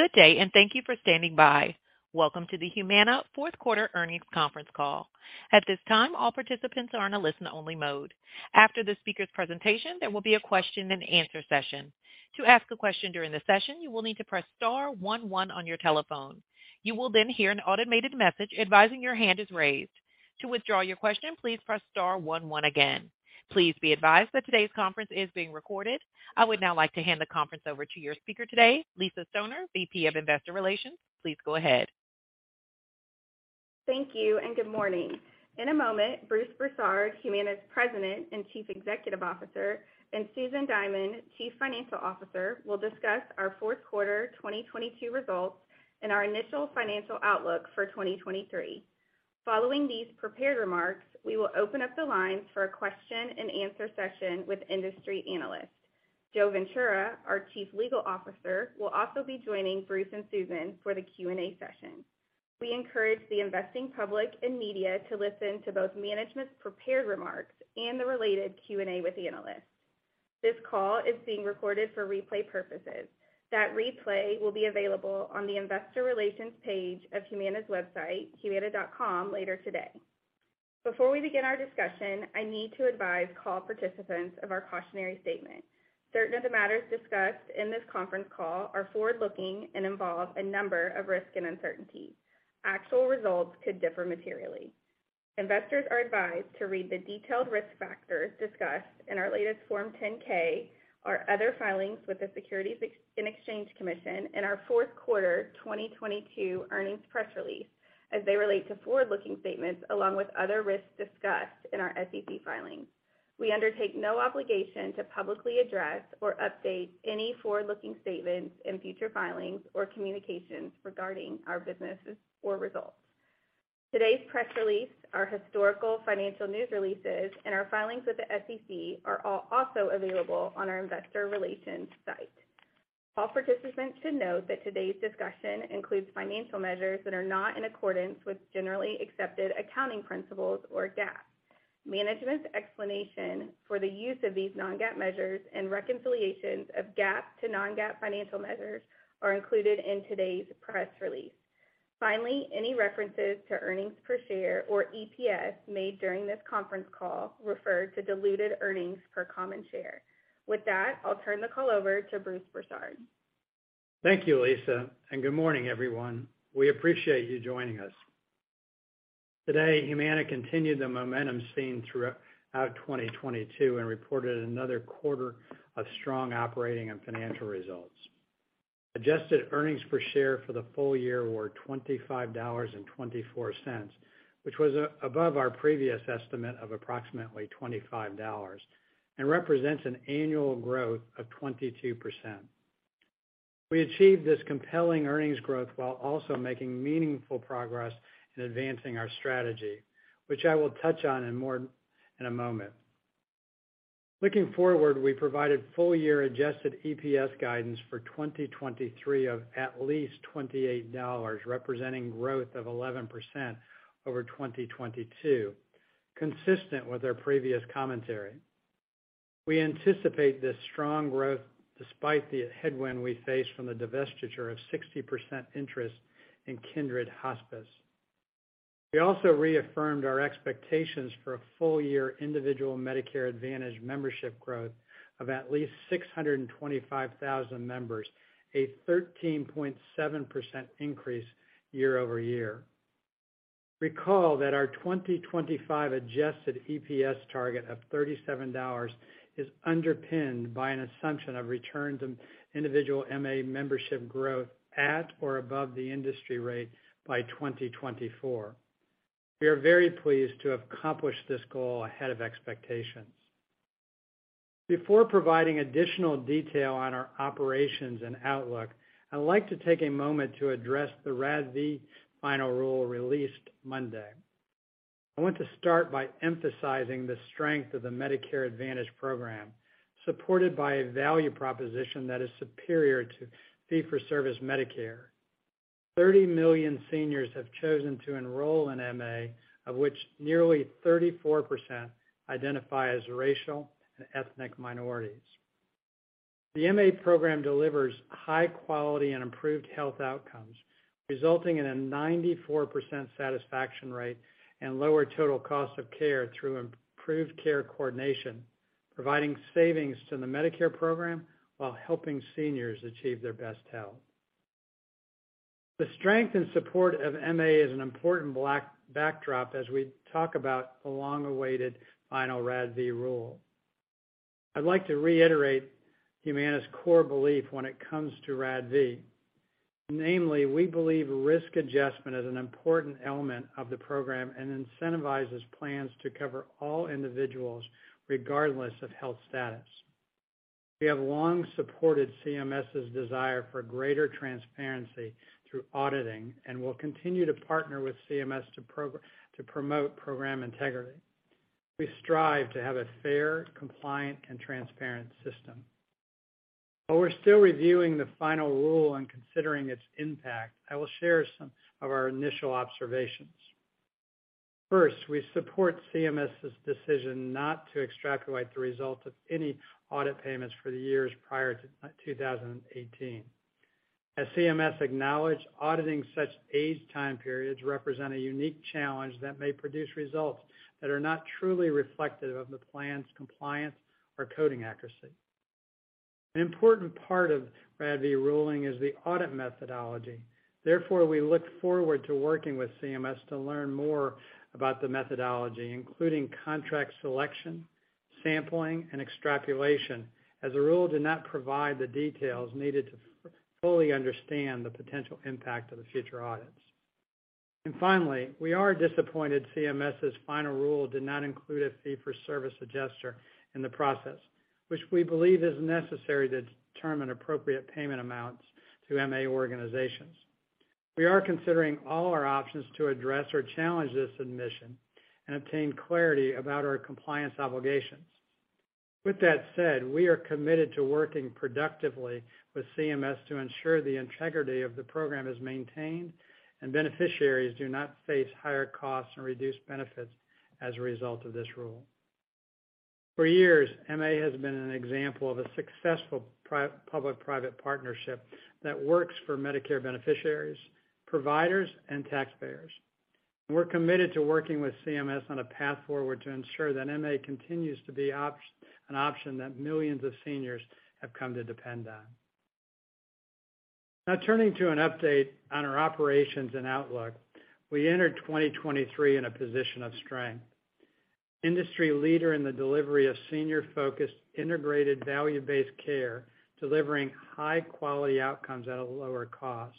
Good day, and thank you for standing by. Welcome to the Humana fourth quarter earnings conference call. At this time, all participants are in a listen-only mode. After the speaker's presentation, there will be a question and answer session. To ask a question during the session, you will need to press star one one on your telephone. You will then hear an automated message advising your hand is raised. To withdraw your question, please press star one one again. Please be advised that today's conference is being recorded. I would now like to hand the conference over to your speaker today, Lisa Stoner, VP of Investor Relations. Please go ahead. Thank you and good morning. In a moment, Bruce Broussard, Humana's President and Chief Executive Officer, and Susan Diamond, Chief Financial Officer, will discuss our fourth quarter 2022 results and our initial financial outlook for 2023. Following these prepared remarks, we will open up the lines for a question and answer session with industry analysts. Joe Ventura, our Chief Legal Officer, will also be joining Bruce and Susan for the Q&A session. We encourage the investing public and media to listen to both management's prepared remarks and the related Q&A with analysts. This call is being recorded for replay purposes. That replay will be available on the investor relations page of Humana's website, humana.com, later today. Before we begin our discussion, I need to advise call participants of our cautionary statement. Certain of the matters discussed in this conference call are forward-looking and involve a number of risks and uncertainties. Actual results could differ materially. Investors are advised to read the detailed risk factors discussed in our latest Form 10-K, our other filings with the Securities and Exchange Commission in our fourth quarter 2022 earnings press release as they relate to forward-looking statements along with other risks discussed in our SEC filings. We undertake no obligation to publicly address or update any forward-looking statements in future filings or communications regarding our businesses or results. Today's press release, our historical financial news releases, and our filings with the SEC are all also available on our investor relations site. Call participants should note that today's discussion includes financial measures that are not in accordance with generally accepted accounting principles or GAAP. Management's explanation for the use of these non-GAAP measures and reconciliations of GAAP to non-GAAP financial measures are included in today's press release. Finally, any references to earnings per share or EPS made during this conference call refer to diluted earnings per common share. With that, I'll turn the call over to Bruce Broussard. Thank you, Lisa. Good morning, everyone. We appreciate you joining us. Today, Humana continued the momentum seen throughout 2022 and reported another quarter of strong operating and financial results. Adjusted earnings per share for the full year were $25.24, which was above our previous estimate of approximately $25 and represents an annual growth of 22%. We achieved this compelling earnings growth while also making meaningful progress in advancing our strategy, which I will touch on in a moment. Looking forward, we provided full-year adjusted EPS guidance for 2023 of at least $28, representing growth of 11% over 2022, consistent with our previous commentary. We anticipate this strong growth despite the headwind we face from the divestiture of 60% interest in Kindred Hospice. We also reaffirmed our expectations for a full-year individual Medicare Advantage membership growth of at least 625,000 members, a 13.7% increase year-over-year. Recall that our 2025 adjusted EPS target of $37 is underpinned by an assumption of return to individual MA membership growth at or above the industry rate by 2024. We are very pleased to have accomplished this goal ahead of expectations. Before providing additional detail on our operations and outlook, I'd like to take a moment to address the RADV final rule released Monday. I want to start by emphasizing the strength of the Medicare Advantage program, supported by a value proposition that is superior to fee-for-service Medicare. 30 million seniors have chosen to enroll in MA, of which nearly 34% identify as racial and ethnic minorities. The MA program delivers high quality and improved health outcomes, resulting in a 94% satisfaction rate and lower total cost of care through improved care coordination, providing savings to the Medicare program while helping seniors achieve their best health. The strength and support of MA is an important backdrop as we talk about the long-awaited final RADV rule. I'd like to reiterate Humana's core belief when it comes to RADV. Namely, we believe risk adjustment is an important element of the program and incentivizes plans to cover all individuals, regardless of health status. We have long supported CMS's desire for greater transparency through auditing and will continue to partner with CMS to promote program integrity. We strive to have a fair, compliant, and transparent system. While we're still reviewing the final rule and considering its impact, I will share some of our initial observations. First, we support CMS's decision not to extrapolate the result of any audit payments for the years prior to 2018. As CMS acknowledged, auditing such aged time periods represent a unique challenge that may produce results that are not truly reflective of the plan's compliance or coding accuracy. An important part of RADV ruling is the audit methodology. Therefore, we look forward to working with CMS to learn more about the methodology, including contract selection, sampling, and extrapolation, as the rule did not provide the details needed to fully understand the potential impact of the future audits. Finally, we are disappointed CMS's final rule did not include a fee-for-service adjuster in the process, which we believe is necessary to determine appropriate payment amounts to MA organizations. We are considering all our options to address or challenge this admission and obtain clarity about our compliance obligations. That said, we are committed to working productively with CMS to ensure the integrity of the program is maintained and beneficiaries do not face higher costs and reduced benefits as a result of this rule. For years, MA has been an example of a successful public-private partnership that works for Medicare beneficiaries, providers, and taxpayers. We're committed to working with CMS on a path forward to ensure that MA continues to be an option that millions of seniors have come to depend on. Turning to an update on our operations and outlook. We entered 2023 in a position of strength. Industry leader in the delivery of senior-focused integrated value-based care, delivering high-quality outcomes at a lower cost.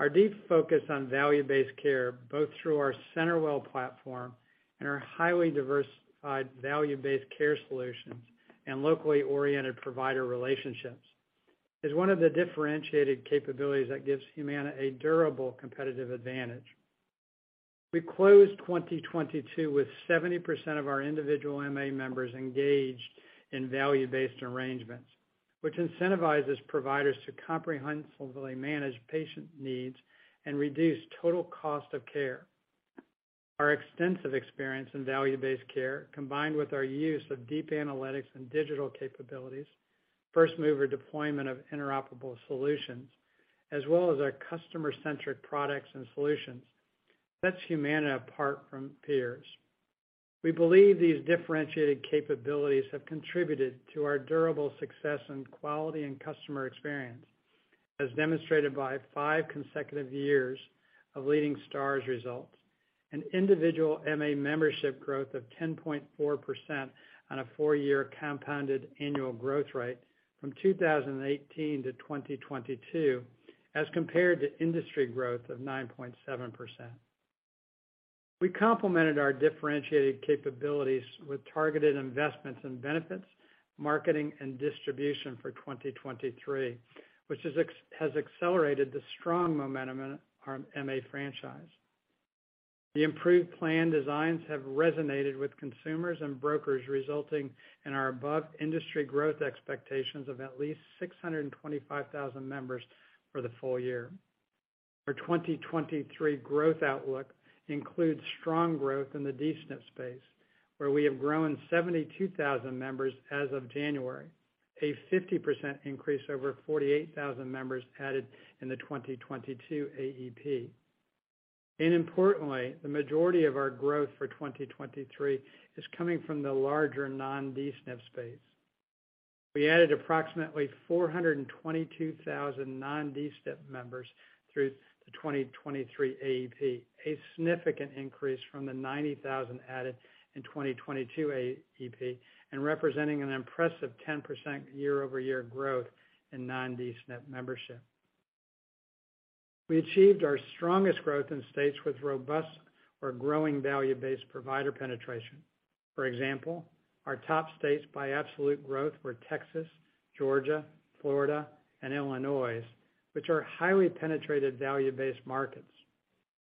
Our deep focus on value-based care, both through our CenterWell platform and our highly diversified value-based care solutions and locally oriented provider relationships, is one of the differentiated capabilities that gives Humana a durable competitive advantage. We closed 2022 with 70% of our individual MA members engaged in value-based arrangements, which incentivizes providers to comprehensively manage patient needs and reduce total cost of care. Our extensive experience in value-based care, combined with our use of deep analytics and digital capabilities, first-mover deployment of interoperable solutions, as well as our customer-centric products and solutions, sets Humana apart from peers. We believe these differentiated capabilities have contributed to our durable success in quality and customer experience, as demonstrated by five consecutive years of leading Stars results and individual MA membership growth of 10.4% on a four-year compounded annual growth rate from 2018 to 2022, as compared to industry growth of 9.7%. We complemented our differentiated capabilities with targeted investments in benefits, marketing, and distribution for 2023, which has accelerated the strong momentum in our MA franchise. The improved plan designs have resonated with consumers and brokers, resulting in our above industry growth expectations of at least 625,000 members for the full year. Our 2023 growth outlook includes strong growth in the D-SNP space, where we have grown 72,000 members as of January, a 50% increase over 48,000 members added in the 2022 AEP. Importantly, the majority of our growth for 2023 is coming from the larger non-D-SNP space. We added approximately 422,000 non-D-SNP members through the 2023 AEP, a significant increase from the 90,000 added in 2022 AEP and representing an impressive 10% year-over-year growth in non-D-SNP membership. We achieved our strongest growth in states with robust or growing value-based provider penetration. For example, our top states by absolute growth were Texas, Georgia, Florida, and Illinois, which are highly penetrated value-based markets.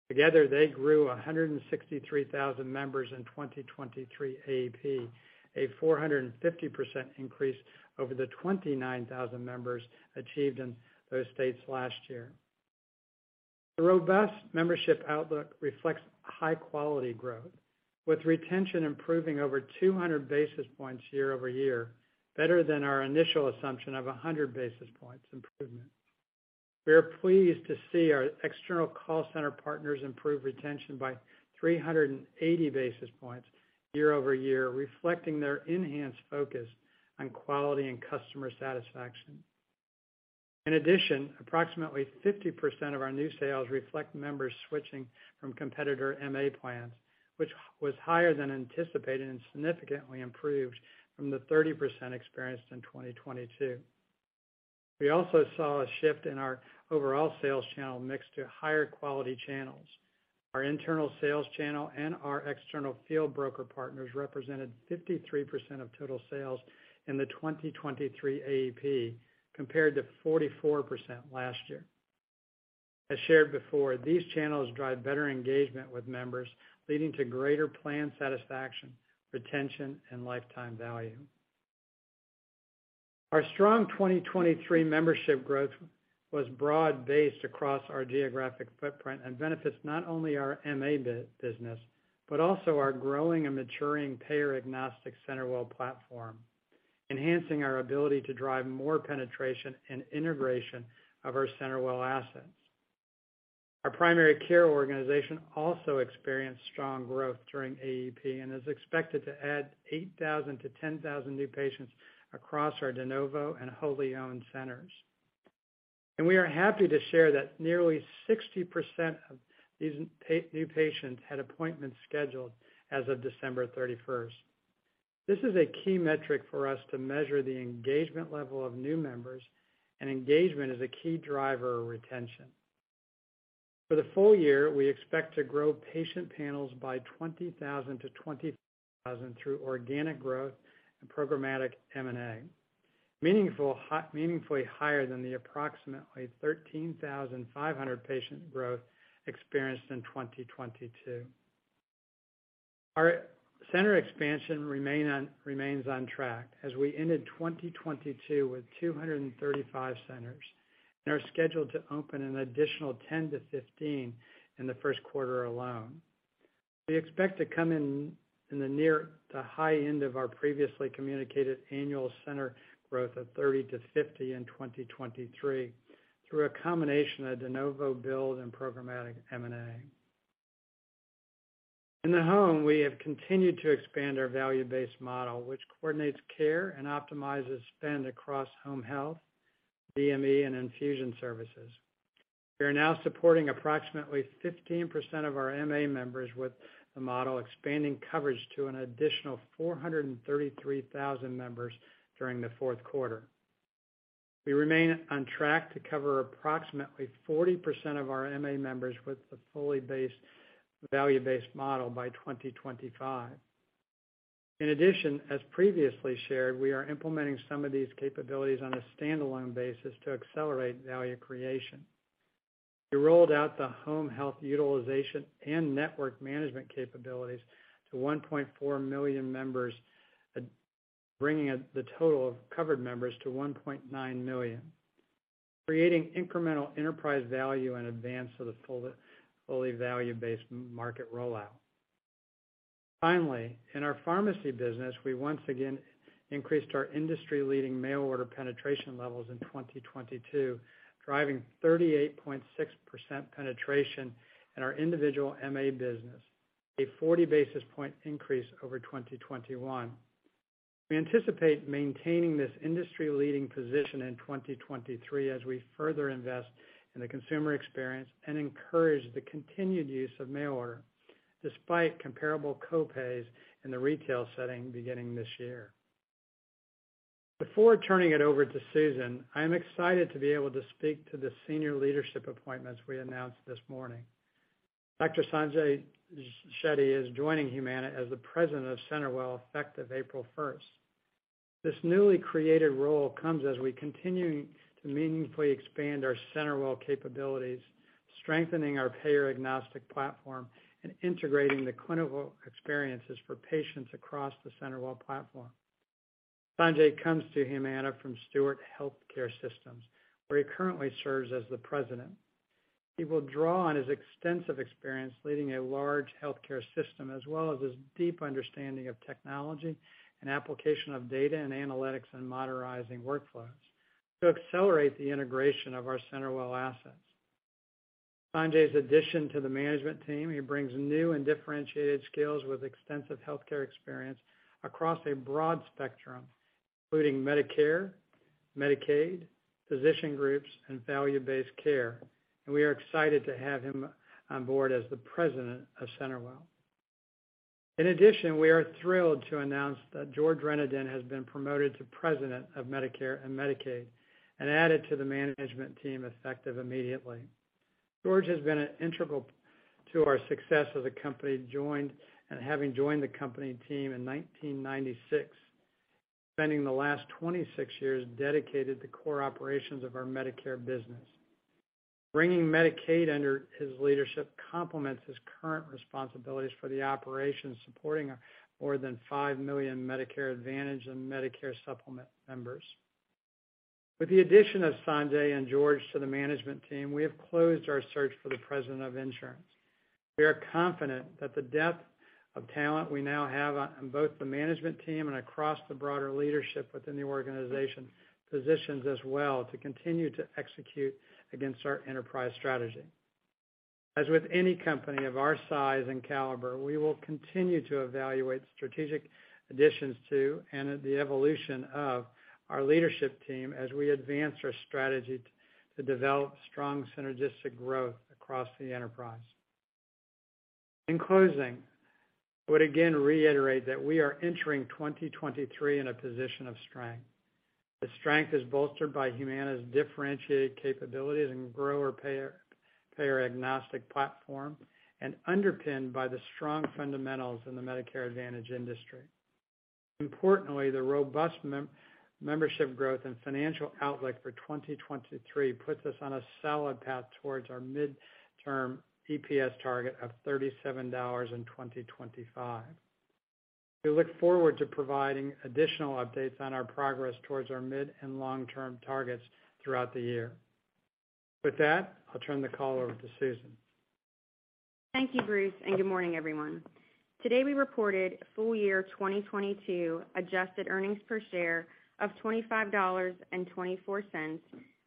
Together, they grew 163,000 members in 2023 AEP, a 450% increase over the 29,000 members achieved in those states last year. The robust membership outlook reflects high quality growth, with retention improving over 200 basis points year-over-year, better than our initial assumption of 100 basis points improvement. We are pleased to see our external call center partners improve retention by 380 basis points year-over-year, reflecting their enhanced focus on quality and customer satisfaction. In addition, approximately 50% of our new sales reflect members switching from competitor MA plans, which was higher than anticipated and significantly improved from the 30% experienced in 2022. We also saw a shift in our overall sales channel mix to higher quality channels. Our internal sales channel and our external field broker partners represented 53% of total sales in the 2023 AEP, compared to 44% last year. As shared before, these channels drive better engagement with members, leading to greater plan satisfaction, retention, and lifetime value. Our strong 2023 membership growth was broad-based across our geographic footprint and benefits not only our MA business, but also our growing and maturing payer agnostic CenterWell platform, enhancing our ability to drive more penetration and integration of our CenterWell assets. Our primary care organization also experienced strong growth during AEP and is expected to add 8,000-10,000 new patients across our de novo and wholly owned centers. We are happy to share that nearly 60% of these new patients had appointments scheduled as of December thirty-first. This is a key metric for us to measure the engagement level of new members, and engagement is a key driver of retention. For the full year, we expect to grow patient panels by 20,000-22,000 through organic growth and programmatic M&A. Meaningfully higher than the approximately 13,500 patient growth experienced in 2022. Our center expansion remains on track as we ended 2022 with 235 centers and are scheduled to open an additional 10-15 in the first quarter alone. We expect to come in the near to high end of our previously communicated annual center growth of 30-50 in 2023 through a combination of de novo build and programmatic M&A. In the home, we have continued to expand our value-based model, which coordinates care and optimizes spend across home health, DME, and infusion services. We are now supporting approximately 15% of our MA members with the model expanding coverage to an additional 433,000 members during the fourth quarter. We remain on track to cover approximately 40% of our MA members with the value-based model by 2025. In addition, as previously shared, we are implementing some of these capabilities on a standalone basis to accelerate value creation. We rolled out the home health utilization and network management capabilities to 1.4 million members, bringing the total of covered members to 1.9 million, creating incremental enterprise value in advance of the fully value-based market rollout. In our pharmacy business, we once again increased our industry leading mail order penetration levels in 2022, driving 38.6% penetration in our individual MA business, a 40 basis point increase over 2021. We anticipate maintaining this industry leading position in 2023 as we further invest in the consumer experience and encourage the continued use of mail order despite comparable co-pays in the retail setting beginning this year. Before turning it over to Susan, I am excited to be able to speak to the senior leadership appointments we announced this morning. Dr. Sanjay Shetty is joining Humana as the President of CenterWell effective April 1st. This newly created role comes as we continue to meaningfully expand our CenterWell capabilities, strengthening our payer agnostic platform and integrating the clinical experiences for patients across the CenterWell platform. Sanjay comes to Humana from Steward Health Care System, where he currently serves as the President. He will draw on his extensive experience leading a large healthcare system, as well as his deep understanding of technology and application of data and analytics and modernizing workflows to accelerate the integration of our CenterWell assets. Sanjay's addition to the management team, he brings new and differentiated skills with extensive healthcare experience across a broad spectrum, including Medicare, Medicaid, physician groups, and value-based care, and we are excited to have him on board as the President of CenterWell. In addition, we are thrilled to announce that George Renaudin has been promoted to President of Medicare and Medicaid and added to the management team effective immediately. George has been integral to our success as a company having joined the company team in 1996, spending the last 26 years dedicated to core operations of our Medicare business. Bringing Medicaid under his leadership complements his current responsibilities for the operations supporting our more than 5 million Medicare Advantage and Medicare Supplement members. With the addition of Sanjay and George to the management team, we have closed our search for the President of Insurance. We are confident that the depth of talent we now have on both the management team and across the broader leadership within the organization positions us well to continue to execute against our enterprise strategy. As with any company of our size and caliber, we will continue to evaluate strategic additions to, and the evolution of our leadership team as we advance our strategy to develop strong synergistic growth across the enterprise. In closing, I would again reiterate that we are entering 2023 in a position of strength. The strength is bolstered by Humana's differentiated capabilities and grower payer agnostic platform and underpinned by the strong fundamentals in the Medicare Advantage industry. Importantly, the robust membership growth and financial outlook for 2023 puts us on a solid path towards our midterm EPS target of $37 in 2025. We look forward to providing additional updates on our progress towards our mid and long-term targets throughout the year. With that, I'll turn the call over to Susan. Thank you, Bruce, and good morning, everyone. Today, we reported full year 2022 adjusted earnings per share of $25.24,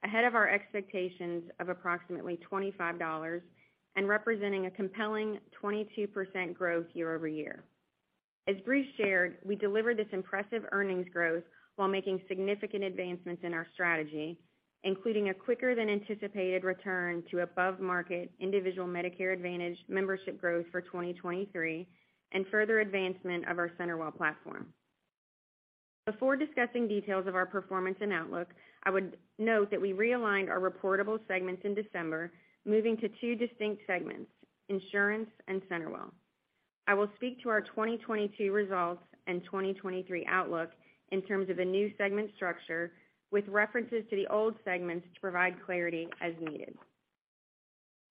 ahead of our expectations of approximately $25 and representing a compelling 22% growth year-over-year. As Bruce shared, we delivered this impressive earnings growth while making significant advancements in our strategy, including a quicker than anticipated return to above market individual Medicare Advantage membership growth for 2023 and further advancement of our CenterWell platform. Before discussing details of our performance and outlook, I would note that we realigned our reportable segments in December, moving to two distinct segments, insurance and CenterWell. I will speak to our 2022 results and 2023 outlook in terms of a new segment structure with references to the old segments to provide clarity as needed.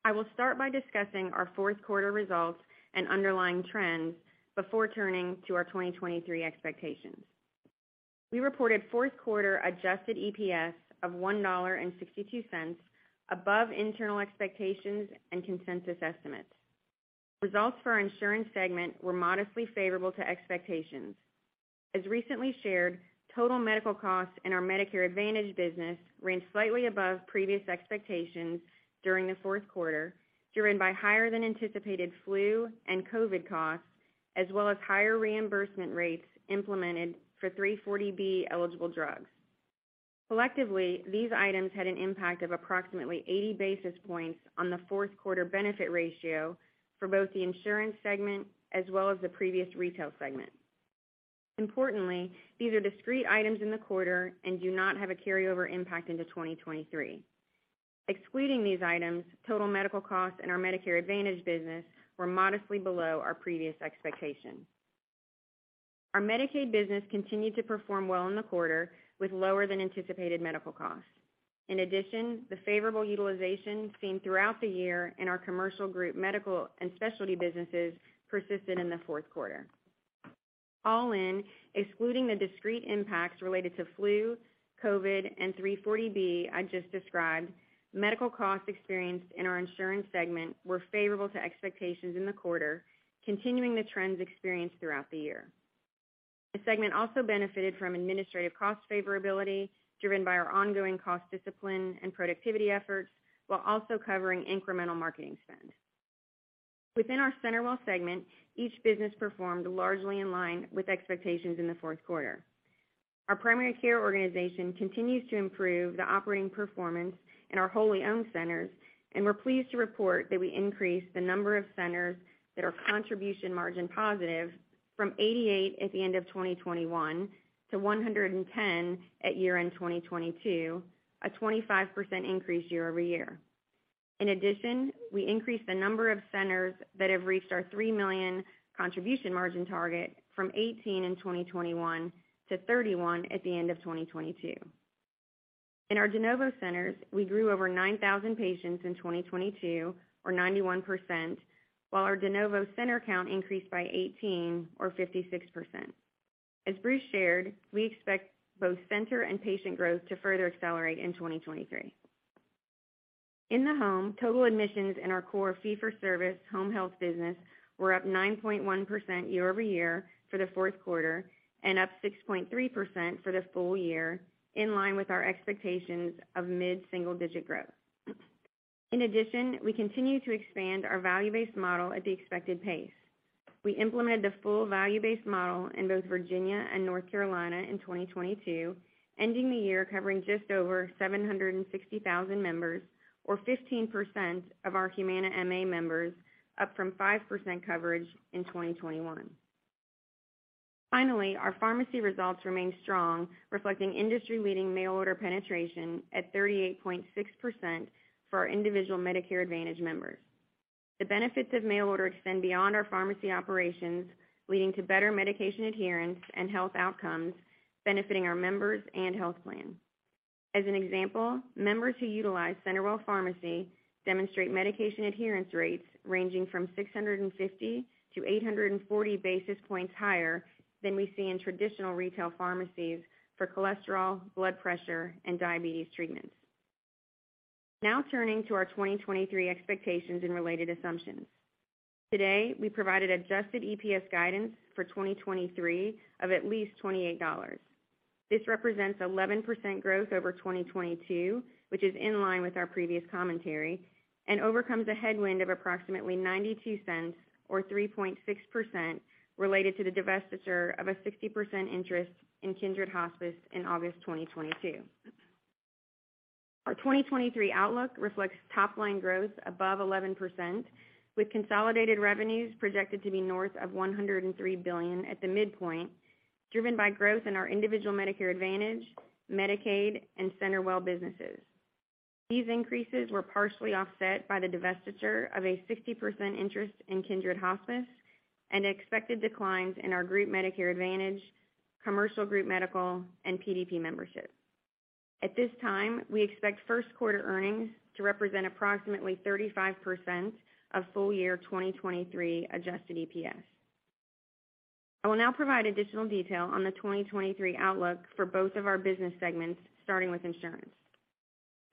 I will start by discussing our fourth quarter results and underlying trends before turning to our 2023 expectations. We reported fourth quarter adjusted EPS of $1.62 above internal expectations and consensus estimates. Results for our insurance segment were modestly favorable to expectations. As recently shared, total medical costs in our Medicare Advantage business ran slightly above previous expectations during the fourth quarter, driven by higher than anticipated flu and COVID costs, as well as higher reimbursement rates implemented for 340B eligible drugs. Collectively, these items had an impact of approximately 80 basis points on the fourth quarter benefit ratio for both the insurance segment as well as the previous retail segment. Importantly, these are discrete items in the quarter and do not have a carryover impact into 2023. Excluding these items, total medical costs and our Medicare Advantage business were modestly below our previous expectations. Our Medicaid business continued to perform well in the quarter, with lower than anticipated medical costs. The favorable utilization seen throughout the year in our commercial group medical and specialty businesses persisted in the fourth quarter. All in, excluding the discrete impacts related to flu, COVID, and 340B I just described, medical costs experienced in our insurance segment were favorable to expectations in the quarter, continuing the trends experienced throughout the year. The segment also benefited from administrative cost favorability driven by our ongoing cost discipline and productivity efforts, while also covering incremental marketing spend. Within our CenterWell segment, each business performed largely in line with expectations in the fourth quarter. Our primary care organization continues to improve the operating performance in our wholly owned centers, and we are pleased to report that we increased the number of centers that are contribution margin positive from 88 at the end of 2021 to 110 at year-end 2022, a 25% increase year-over-year. In addition, we increased the number of centers that have reached our $3 million contribution margin target from 18 in 2021 to 31 at the end of 2022. In our de novo centers, we grew over 9,000 patients in 2022 or 91%, while our de novo center count increased by 18 or 56%. As Bruce shared, we expect both center and patient growth to further accelerate in 2023. In the home, total admissions in our core fee for service home health business were up 9.1% year-over-year for the fourth quarter and up 6.3% for the full year, in line with our expectations of mid-single digit growth. We continue to expand our value-based model at the expected pace. We implemented the full value-based model in both Virginia and North Carolina in 2022, ending the year covering just over 760,000 members or 15% of our Humana MA members, up from 5% coverage in 2021. Our pharmacy results remain strong, reflecting industry-leading mail order penetration at 38.6% for our individual Medicare Advantage members. The benefits of mail order extend beyond our pharmacy operations, leading to better medication adherence and health outcomes benefiting our members and health plan. As an example, members who utilize CenterWell Pharmacy demonstrate medication adherence rates ranging from 650 to 840 basis points higher than we see in traditional retail pharmacies for cholesterol, blood pressure, and diabetes treatments. Now turning to our 2023 expectations and related assumptions. Today, we provided adjusted EPS guidance for 2023 of at least $28. This represents 11% growth over 2022, which is in line with our previous commentary, and overcomes a headwind of approximately $0.92 or 3.6% related to the divestiture of a 60% interest in Kindred Hospice in August 2022. Our 2023 outlook reflects top line growth above 11%, with consolidated revenues projected to be north of $103 billion at the midpoint, driven by growth in our individual Medicare Advantage, Medicaid, and CenterWell businesses. These increases were partially offset by the divestiture of a 60% interest in Kindred Hospice and expected declines in our group Medicare Advantage, commercial group medical, and PDP membership. At this time, we expect first quarter earnings to represent approximately 35% of full year 2023 adjusted EPS. I will now provide additional detail on the 2023 outlook for both of our business segments, starting with insurance.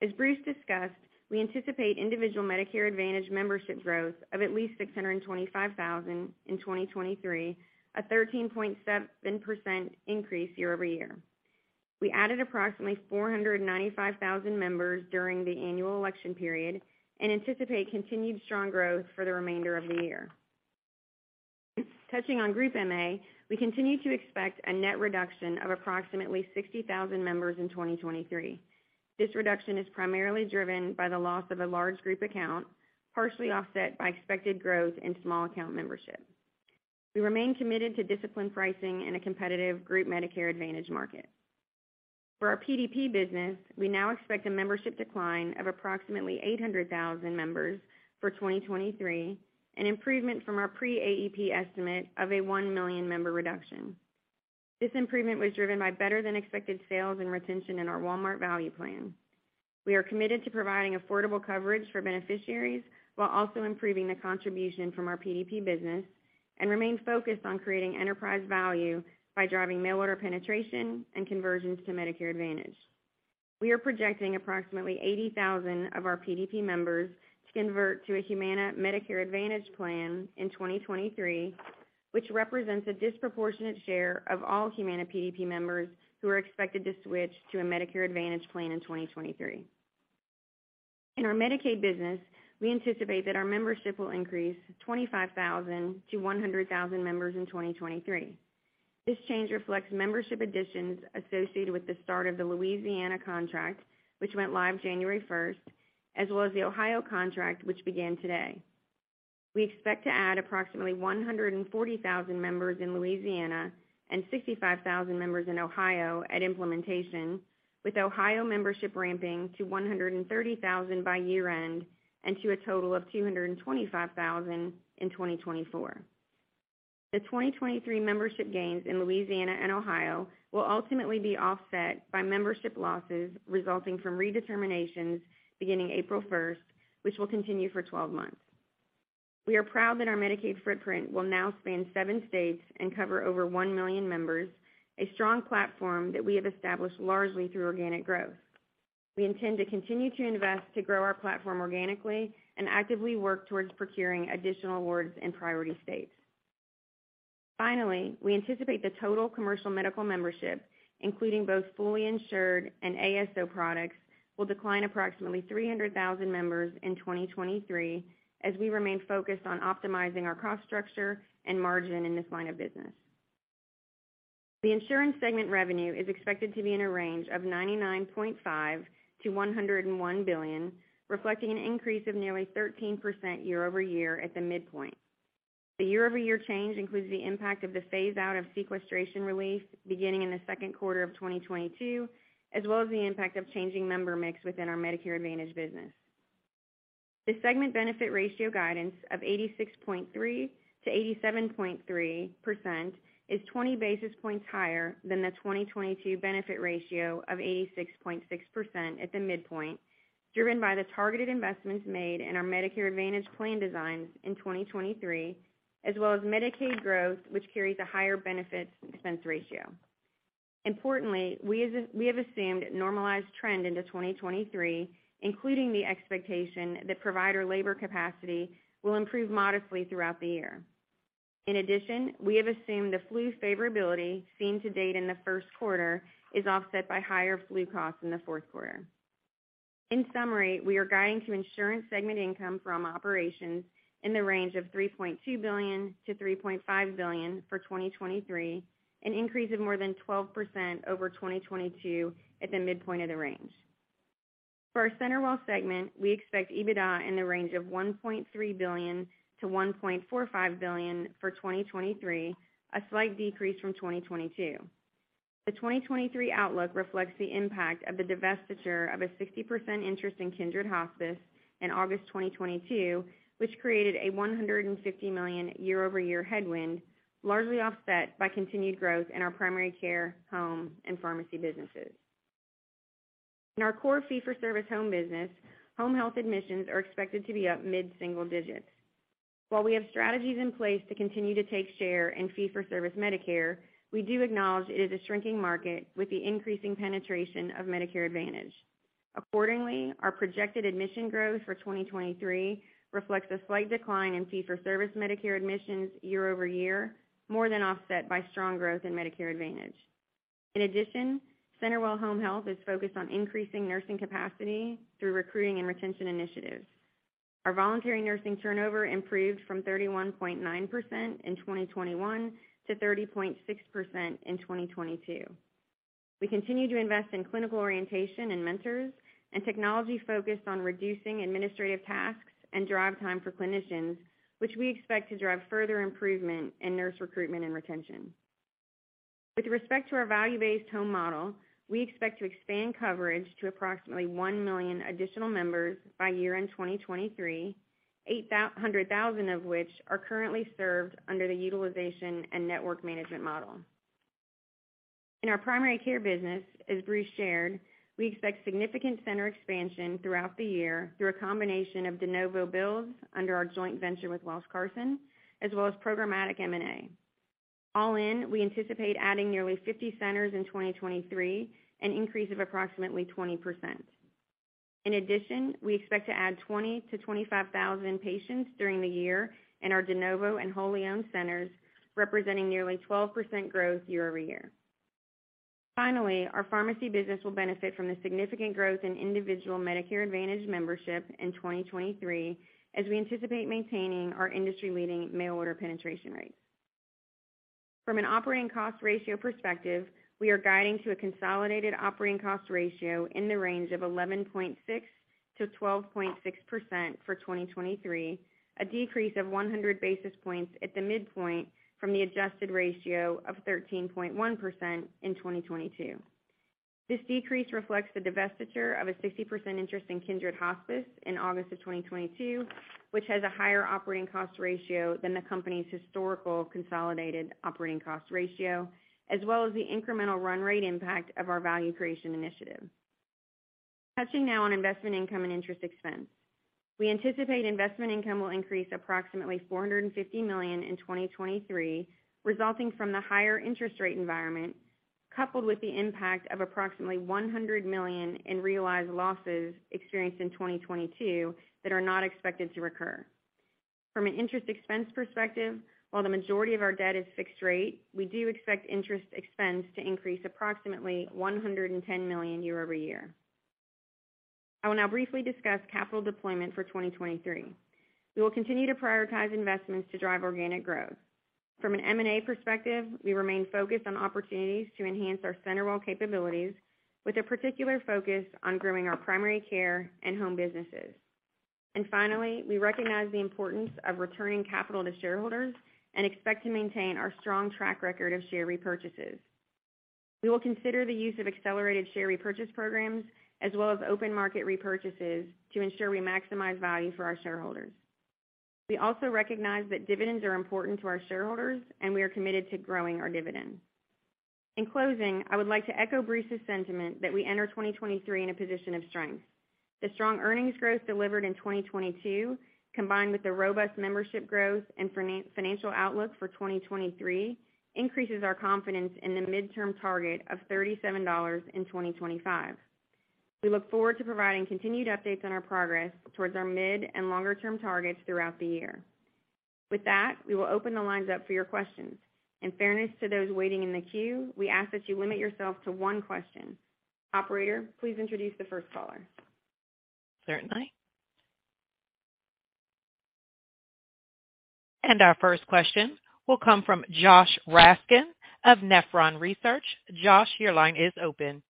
As Bruce discussed, we anticipate individual Medicare Advantage membership growth of at least 625,000 in 2023, a 13.7% increase year-over-year. We added approximately 495,000 members during the annual election period and anticipate continued strong growth for the remainder of the year. Touching on Group MA, we continue to expect a net reduction of approximately 60,000 members in 2023. This reduction is primarily driven by the loss of a large group account, partially offset by expected growth in small account membership. We remain committed to disciplined pricing in a competitive group Medicare Advantage market. For our PDP business, we now expect a membership decline of approximately 800,000 members for 2023, an improvement from our pre-AEP estimate of a 1 million member reduction. This improvement was driven by better than expected sales and retention in our Walmart value plan. We are committed to providing affordable coverage for beneficiaries while also improving the contribution from our PDP business and remain focused on creating enterprise value by driving mail order penetration and conversions to Medicare Advantage. We are projecting approximately 80,000 of our PDP members to convert to a Humana Medicare Advantage plan in 2023, which represents a disproportionate share of all Humana PDP members who are expected to switch to a Medicare Advantage plan in 2023. In our Medicaid business, we anticipate that our membership will increase 25,000 to 100,000 members in 2023. This change reflects membership additions associated with the start of the Louisiana contract, which went live January 1st, as well as the Ohio contract, which began today. We expect to add approximately 140,000 members in Louisiana and 65,000 members in Ohio at implementation, with Ohio membership ramping to 130,000 by year end and to a total of 225,000 in 2024. The 2023 membership gains in Louisiana and Ohio will ultimately be offset by membership losses resulting from redeterminations beginning April 1st, which will continue for 12 months. We are proud that our Medicaid footprint will now span 7 states and cover over 1 million members, a strong platform that we have established largely through organic growth. We intend to continue to invest to grow our platform organically and actively work towards procuring additional awards in priority states. Finally, we anticipate the total commercial medical membership, including both fully insured and ASO products, will decline approximately 300,000 members in 2023, as we remain focused on optimizing our cost structure and margin in this line of business. The insurance segment revenue is expected to be in a range of $99.5 billion-$101 billion, reflecting an increase of nearly 13% year-over-year at the midpoint. The year-over-year change includes the impact of the phase out of sequestration relief beginning in the second quarter of 2022, as well as the impact of changing member mix within our Medicare Advantage business. The segment benefit ratio guidance of 86.3%-87.3% is 20 basis points higher than the 2022 benefit ratio of 86.6% at the midpoint, driven by the targeted investments made in our Medicare Advantage plan designs in 2023, as well as Medicaid growth, which carries a higher benefit to expense ratio. Importantly, we have assumed normalized trend into 2023, including the expectation that provider labor capacity will improve modestly throughout the year. We have assumed the flu favorability seen to date in the first quarter is offset by higher flu costs in the fourth quarter. We are guiding to insurance segment income from operations in the range of $3.2 billion-$3.5 billion for 2023, an increase of more than 12% over 2022 at the midpoint of the range. Our CenterWell segment, we expect EBITDA in the range of $1.3 billion-$1.45 billion for 2023, a slight decrease from 2022. The 2023 outlook reflects the impact of the divestiture of a 60% interest in Kindred Hospice in August 2022, which created a $150 million year-over-year headwind, largely offset by continued growth in our primary care, home, and pharmacy businesses. In our core fee-for-service home business, home health admissions are expected to be up mid-single digits. While we have strategies in place to continue to take share in fee-for-service Medicare, we do acknowledge it is a shrinking market with the increasing penetration of Medicare Advantage. Accordingly, our projected admission growth for 2023 reflects a slight decline in fee-for-service Medicare admissions year-over-year, more than offset by strong growth in Medicare Advantage. In addition, CenterWell Home Health is focused on increasing nursing capacity through recruiting and retention initiatives. Our voluntary nursing turnover improved from 31.9% in 2021 to 30.6% in 2022. We continue to invest in clinical orientation and mentors, and technology focused on reducing administrative tasks and drive time for clinicians, which we expect to drive further improvement in nurse recruitment and retention. With respect to our value-based home model, we expect to expand coverage to approximately 1 million additional members by year-end 2023, 800,000 of which are currently served under the utilization and network management model. In our primary care business, as Bruce shared, we expect significant center expansion throughout the year through a combination of de novo builds under our joint venture with Welsh Carson, as well as programmatic M&A. All in, we anticipate adding nearly 50 centers in 2023, an increase of approximately 20%. In addition, we expect to add 20,000-25,000 patients during the year in our de novo and wholly owned centers, representing nearly 12% growth year-over-year. Our pharmacy business will benefit from the significant growth in individual Medicare Advantage membership in 2023, as we anticipate maintaining our industry-leading mail order penetration rates. From an operating cost ratio perspective, we are guiding to a consolidated operating cost ratio in the range of 11.6%-12.6% for 2023, a decrease of 100 basis points at the midpoint from the adjusted ratio of 13.1% in 2022. This decrease reflects the divestiture of a 60% interest in Kindred Hospice in August of 2022, which has a higher operating cost ratio than the company's historical consolidated operating cost ratio, as well as the incremental run rate impact of our value creation initiative. Touching now on investment income and interest expense. We anticipate investment income will increase approximately $450 million in 2023, resulting from the higher interest rate environment, coupled with the impact of approximately $100 million in realized losses experienced in 2022 that are not expected to recur. From an interest expense perspective, while the majority of our debt is fixed rate, we do expect interest expense to increase approximately $110 million year-over-year. I will now briefly discuss capital deployment for 2023. We will continue to prioritize investments to drive organic growth. From an M&A perspective, we remain focused on opportunities to enhance our CenterWell capabilities with a particular focus on growing our primary care and home businesses. Finally, we recognize the importance of returning capital to shareholders and expect to maintain our strong track record of share repurchases. We will consider the use of accelerated share repurchase programs as well as open market repurchases to ensure we maximize value for our shareholders. We also recognize that dividends are important to our shareholders, and we are committed to growing our dividend. In closing, I would like to echo Bruce's sentiment that we enter 2023 in a position of strength. The strong earnings growth delivered in 2022, combined with the robust membership growth and financial outlook for 2023, increases our confidence in the midterm target of $37 in 2025. We look forward to providing continued updates on our progress towards our mid- and longer-term targets throughout the year. With that, we will open the lines up for your questions. In fairness to those waiting in the queue, we ask that you limit yourself to one question. Operator, please introduce the first caller. Certainly. Our first question will come from Joshua Raskin of Nephron Research. Josh, your line is open.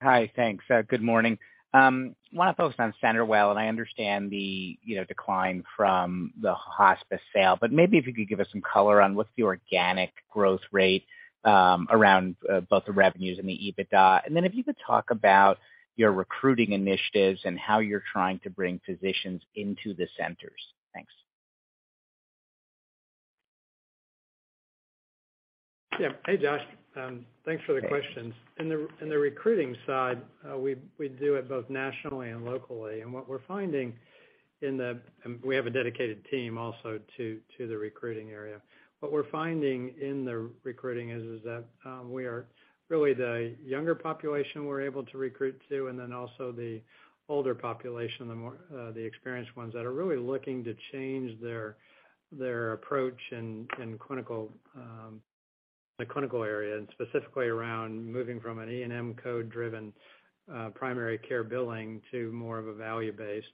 Hi. Thanks. Good morning. Want to focus on CenterWell, and I understand the, you know, decline from the hospice sale, but maybe if you could give us some color on what's the organic growth rate, around, both the revenues and the EBITDA. Then if you could talk about your recruiting initiatives and how you're trying to bring physicians into the centers. Thanks. Hey, Josh. Thanks for the questions. In the recruiting side, we do it both nationally and locally. We have a dedicated team also to the recruiting area. What we're finding in the recruiting is that we are really the younger population we're able to recruit to, and then also the older population, the more experienced ones that are really looking to change their approach in clinical, the clinical area, and specifically around moving from an E&M code-driven primary care billing to more of a value-based.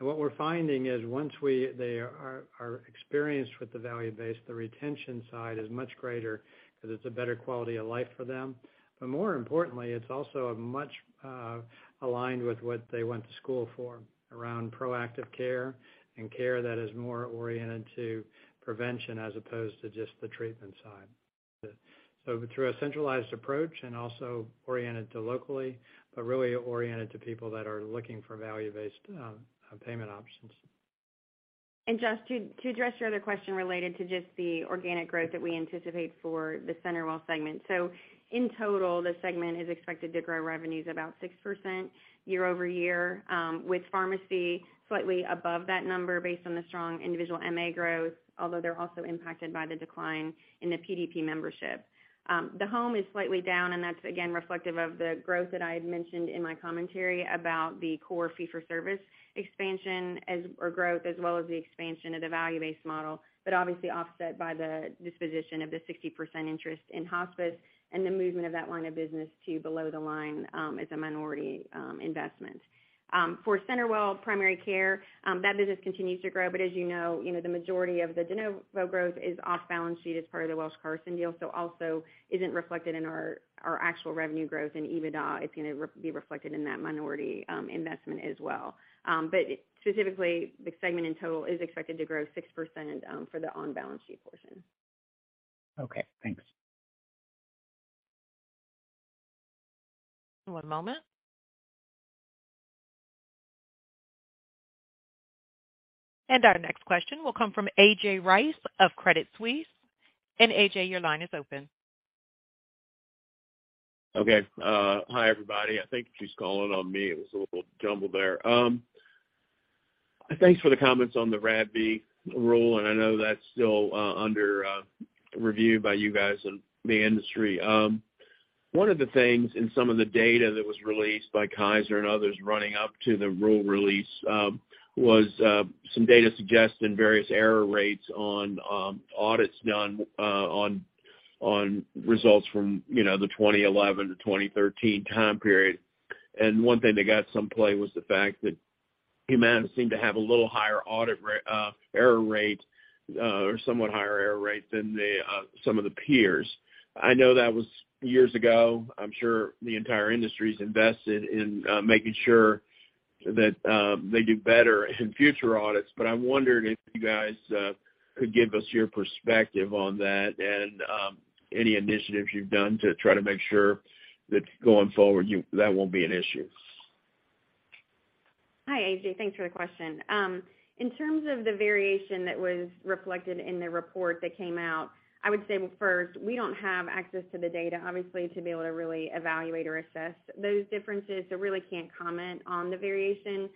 What we're finding is once they are experienced with the value-based, the retention side is much greater because it's a better quality of life for them. More importantly, it's also a much aligned with what they went to school for around proactive care and care that is more oriented to prevention as opposed to just the treatment side. Through a centralized approach and also oriented to locally, but really oriented to people that are looking for value-based payment options. Josh, to address your other question related to just the organic growth that we anticipate for the CenterWell segment. In total, the segment is expected to grow revenues about 6% year-over-year, with pharmacy slightly above that number based on the strong individual MA growth, although they're also impacted by the decline in the PDP membership. The home is slightly down, and that's again reflective of the growth that I had mentioned in my commentary about the core fee-for-service expansion or growth as well as the expansion of the value-based model, but obviously offset by the disposition of the 60% interest in hospice and the movement of that line of business to below the line, as a minority investment. For CenterWell primary care, that business continues to grow. As you know, you know, the majority of the de novo growth is off balance sheet as part of the Welsh Carson deal, so also isn't reflected in our actual revenue growth and EBITDA. It's gonna be reflected in that minority investment as well. Specifically, the segment in total is expected to grow 6% for the on-balance sheet portion. Okay, thanks. One moment. Our next question will come from A.J. Rice of Credit Suisse. A.J. your line is open. Okay. Hi, everybody. I think she's calling on me. It was a little jumbled there. Thanks for the comments on the RADV rule, I know that's still under review by you guys and the industry. One of the things in some of the data that was released by Kaiser and others running up to the rule release, was some data suggesting various error rates on audits done on results from, you know, the 2011-2013 time period. One thing that got some play was the fact that Humana seemed to have a little higher audit error rate, or somewhat higher error rate than some of the peers. I know that was years ago. I'm sure the entire industry is invested in making sure that they do better in future audits. I wondered if you guys could give us your perspective on that and any initiatives you've done to try to make sure that going forward that won't be an issue. Hi, AJ. Thanks for the question. In terms of the variation that was reflected in the report that came out, I would say, well first, we don't have access to the data, obviously, to be able to really evaluate or assess those differences, so really can't comment on the variation.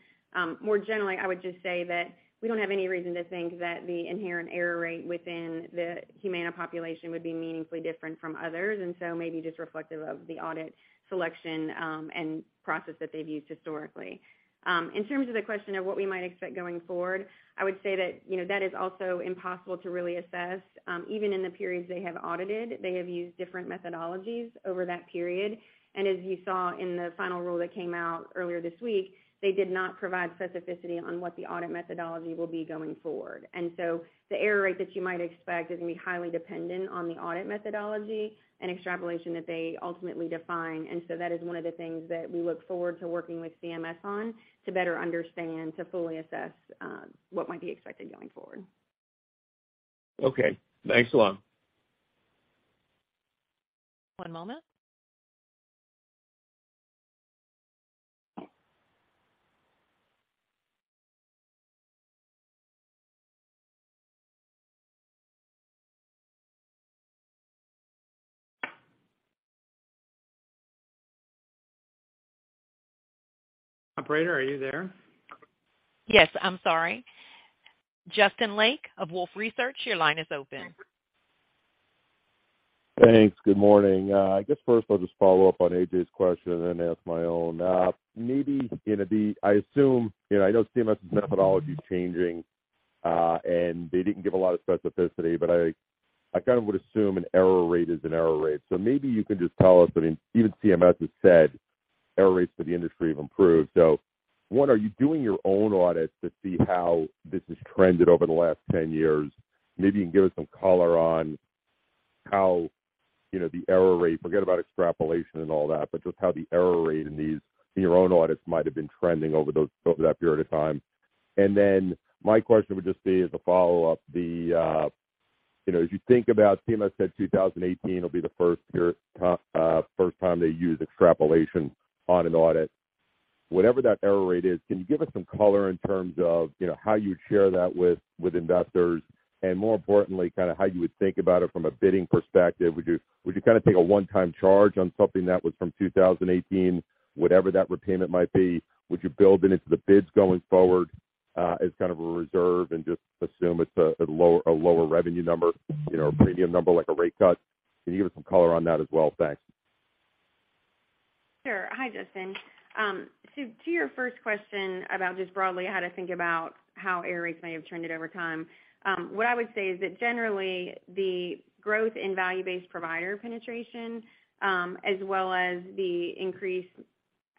More generally, I would just say that we don't have any reason to think that the inherent error rate within the Humana population would be meaningfully different from others. Maybe just reflective of the audit selection and process that they've used historically. In terms of the question of what we might expect going forward, I would say that, you know, that is also impossible to really assess. Even in the periods they have audited, they have used different methodologies over that period. As you saw in the final rule that came out earlier this week, they did not provide specificity on what the audit methodology will be going forward. The error rate that you might expect is gonna be highly dependent on the audit methodology and extrapolation that they ultimately define. That is one of the things that we look forward to working with CMS on to better understand, to fully assess what might be expected going forward. Okay, thanks a lot. One moment. Operator, are you there? Yes. I'm sorry. Justin Lake of Wolfe Research, your line is open. Thanks. Good morning. I guess first I'll just follow up on A.J.'s question and then ask my own. I assume, you know, I know CMS's methodology is changing, and they didn't give a lot of specificity, but I kind of would assume an error rate is an error rate. Maybe you can just tell us, I mean, even CMS has said error rates for the industry have improved. 1, are you doing your own audits to see how this has trended over the last 10 years? Maybe you can give us some color on how, you know, the error rate, forget about extrapolation and all that, but just how the error rate in these, in your own audits might have been trending over those, over that period of time. My question would just be as a follow-up, you know, as you think about CMS said 2018 will be the first time they use extrapolation on an audit. Whatever that error rate is, can you give us some color in terms of, you know, how you would share that with investors? More importantly, kinda how you would think about it from a bidding perspective? Would you kinda take a one-time charge on something that was from 2018, whatever that repayment might be? Would you build it into the bids going forward as kind of a reserve and just assume it's a lower revenue number, you know, a premium number, like a rate cut? Can you give us some color on that as well? Thanks. Sure. Hi, Justin. To your first question about just broadly how to think about how error rates may have trended over time, what I would say is that generally the growth in value-based provider penetration, as well as the increased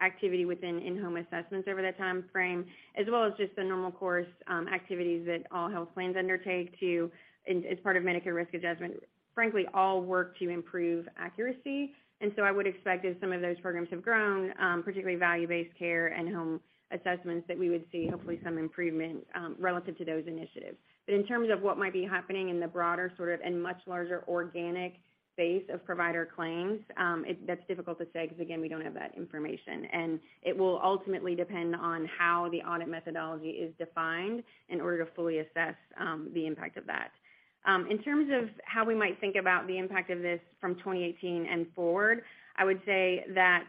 activity within in-home assessments over that timeframe, as well as just the normal course, activities that all health plans undertake to, as part of Medicare risk adjustment, frankly, all work to improve accuracy. I would expect as some of those programs have grown, particularly value-based care and home assessments, that we would see hopefully some improvement, relative to those initiatives. In terms of what might be happening in the broader sort of and much larger organic base of provider claims, that's difficult to say because again, we don't have that information. It will ultimately depend on how the audit methodology is defined in order to fully assess, the impact of that. In terms of how we might think about the impact of this from 2018 and forward, I would say that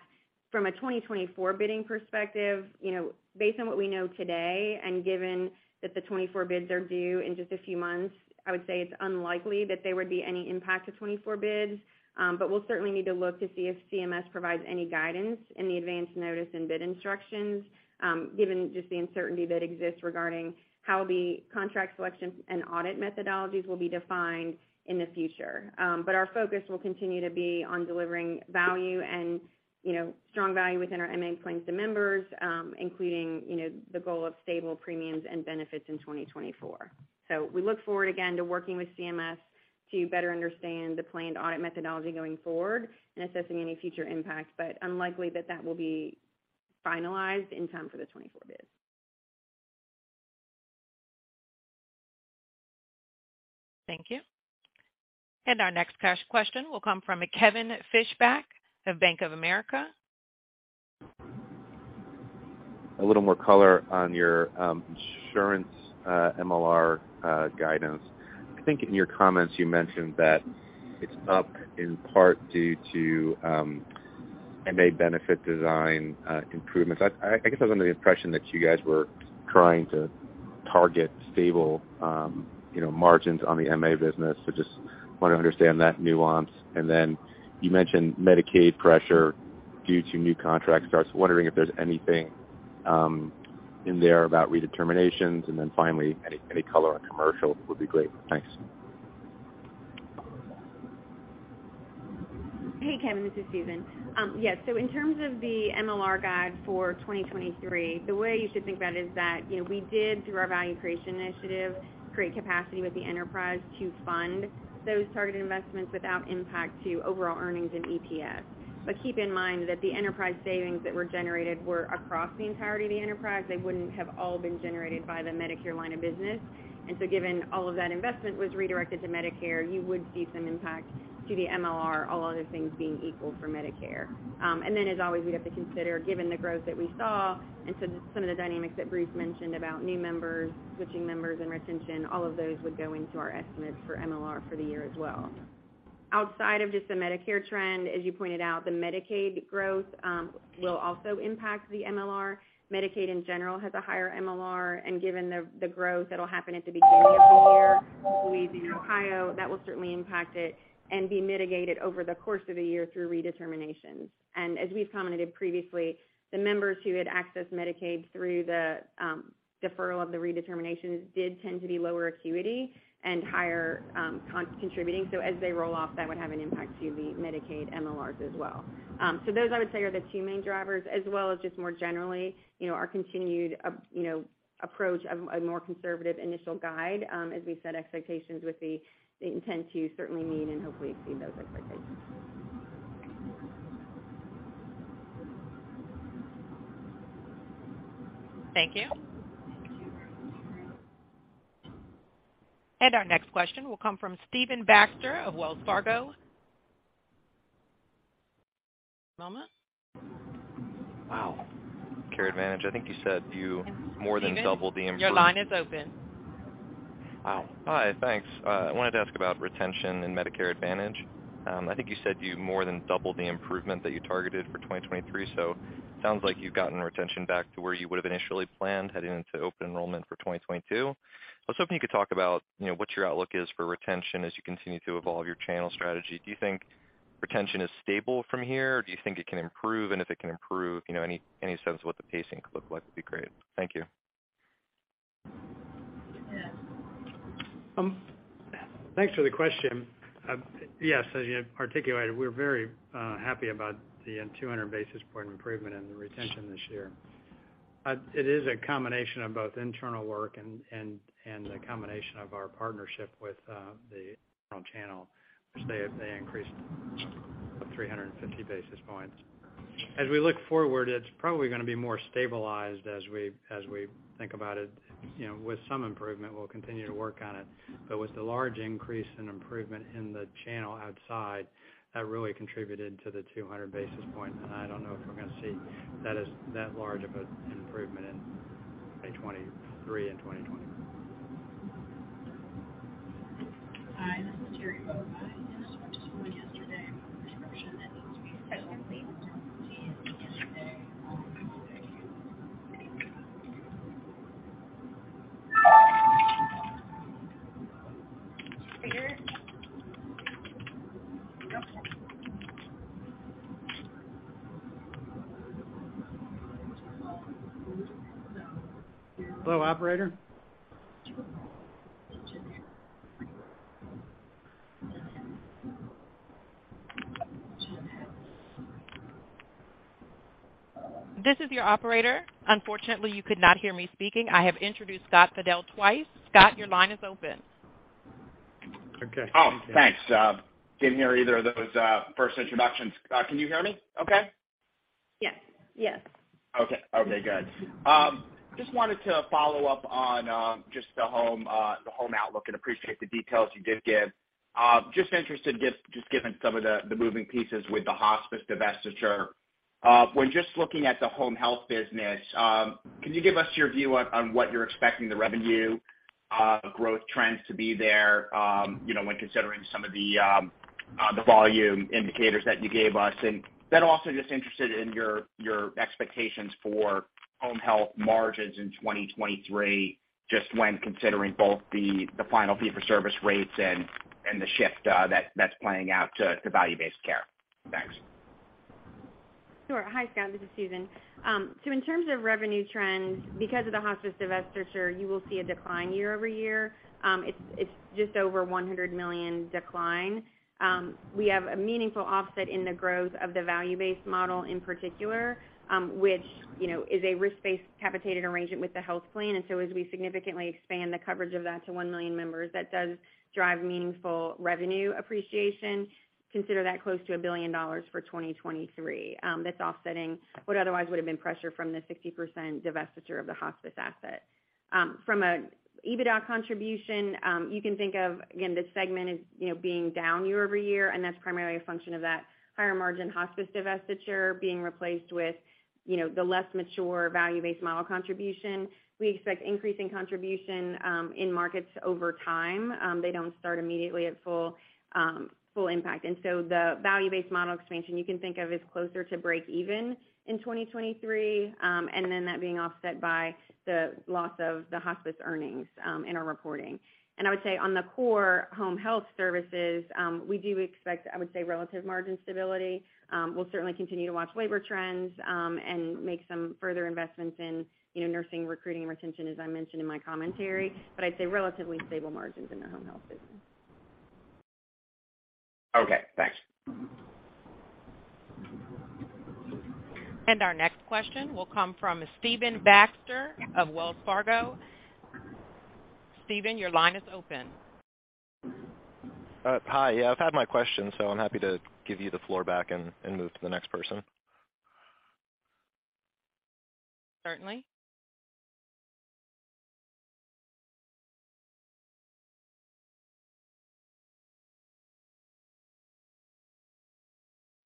from a 2024 bidding perspective, you know, based on what we know today and given that the 24 bids are due in just a few months, I would say it's unlikely that there would be any impact to 24 bids. But we'll certainly need to look to see if CMS provides any guidance in the advanced notice and bid instructions, given just the uncertainty that exists regarding how the contract selections and audit methodologies will be defined in the future. Our focus will continue to be on delivering value and, you know, strong value within our MA plans to members, including, you know, the goal of stable premiums and benefits in 2024. We look forward again to working with CMS to better understand the planned audit methodology going forward and assessing any future impact. Unlikely that that will be finalized in time for the 2024 bid. Thank you. Our next question will come from Kevin Fischbeck of Bank of America. A little more color on your insurance MLR guidance. I think in your comments you mentioned that it's up in part due to MA benefit design improvements. I think I was under the impression that you guys were trying to target stable, you know, margins on the MA business. Just want to understand that nuance. You mentioned Medicaid pressure due to new contract starts. Wondering if there's anything in there about redeterminations. Finally, any color on commercial would be great. Thanks. Hey, Kevin, this is Susan. Yeah, in terms of the MLR guide for 2023, the way you should think about it is that, you know, we did, through our value creation initiative, create capacity with the enterprise to fund those targeted investments without impact to overall earnings and EPS. Keep in mind that the enterprise savings that were generated were across the entirety of the enterprise. They wouldn't have all been generated by the Medicare line of business. Given all of that investment was redirected to Medicare, you would see some impact to the MLR, all other things being equal for Medicare. Then as always, we'd have to consider, given the growth that we saw and some of the dynamics that Bruce mentioned about new members, switching members and retention, all of those would go into our estimates for MLR for the year as well. Outside of just the Medicare trend, as you pointed out, the Medicaid growth will also impact the MLR. Medicaid in general has a higher MLR, and given the growth that'll happen at the beginning of the year in Ohio, that will certainly impact it and be mitigated over the course of a year through redeterminations. As we've commented previously, the members who had accessed Medicaid through the deferral of the redeterminations did tend to be lower acuity and higher contributing. As they roll off, that would have an impact to the Medicaid MLRs as well. Those I would say are the two main drivers as well as just more generally, you know, our continued approach of a more conservative initial guide, as we set expectations with the intent to certainly meet and hopefully exceed those expectations. Thank you. Our next question will come from Stephen Baxter of Wells Fargo. One moment. Wow. Medicare Advantage, I think you said you more than doubled the... Stephen, your line is open. Hi. Thanks. I wanted to ask about retention in Medicare Advantage. I think you said you more than doubled the improvement that you targeted for 2023. Sounds like you've gotten retention back to where you would've initially planned heading into open enrollment for 2022. I was hoping you could talk about, you know, what your outlook is for retention as you continue to evolve your channel strategy. Do you think retention is stable from here, or do you think it can improve? If it can improve, you know, any sense of what the pacing could look like would be great. Thank you. Yeah. Thanks for the question. Yes, as you articulated, we're very happy about the 200 basis point improvement in the retention this year. It is a combination of both internal work and the combination of our partnership with the internal channel, which they increased 350 basis points. As we look forward, it's probably gonna be more stabilized as we think about it. You know, with some improvement, we'll continue to work on it. But with the large increase in improvement in the channel outside, that really contributed to the 200 basis points. I don't know if we're gonna see that large of a, an improvement in 2023 and 2024. Hello, operator? This is your operator. Unfortunately, you could not hear me speaking. I have introduced Scott Fidel twice. Scott, your line is open. Okay. Oh, thanks. Didn't hear either of those, first introductions. Can you hear me okay? Yes. Yes. Okay. Okay, good. Just wanted to follow up on just the home outlook and appreciate the details you did give. Just interested, just given some of the moving pieces with the hospice divestiture. When just looking at the home health business, can you give us your view on what you're expecting the revenue growth trends to be there, you know, when considering some of the volume indicators that you gave us? Also just interested in your expectations for home health margins in 2023, just when considering both the final fee for service rates and the shift that's playing out to value-based care. Thanks. Sure. Hi, Scott. This is Susan. In terms of revenue trends, because of the hospice divestiture, you will see a decline year-over-year. It's just over $100 million decline. We have a meaningful offset in the growth of the value-based model in particular, which, you know, is a risk-based capitated arrangement with the health plan. As we significantly expand the coverage of that to 1 million members, that does drive meaningful revenue appreciation. Consider that close to $1 billion for 2023, that's offsetting what otherwise would've been pressure from the 60% divestiture of the hospice asset. From a EBITDA contribution, you can think of, again, this segment is, you know, being down year-over-year, and that's primarily a function of that higher margin hospice divestiture being replaced with, you know, the less mature value-based model contribution. We expect increasing contribution in markets over time. They don't start immediately at full impact. The value-based model expansion you can think of is closer to break even in 2023, and then that being offset by the loss of the hospice earnings in our reporting. I would say on the core home health services, we do expect, I would say, relative margin stability. We'll certainly continue to watch labor trends, and make some further investments in, you know, nursing recruiting and retention, as I mentioned in my commentary. I'd say relatively stable margins in the home health business. Okay, thanks. Our next question will come from Stephen Baxter of Wells Fargo. Steven, your line is open. Hi. Yeah, I've had my question, so I'm happy to give you the floor back and move to the next person. Certainly.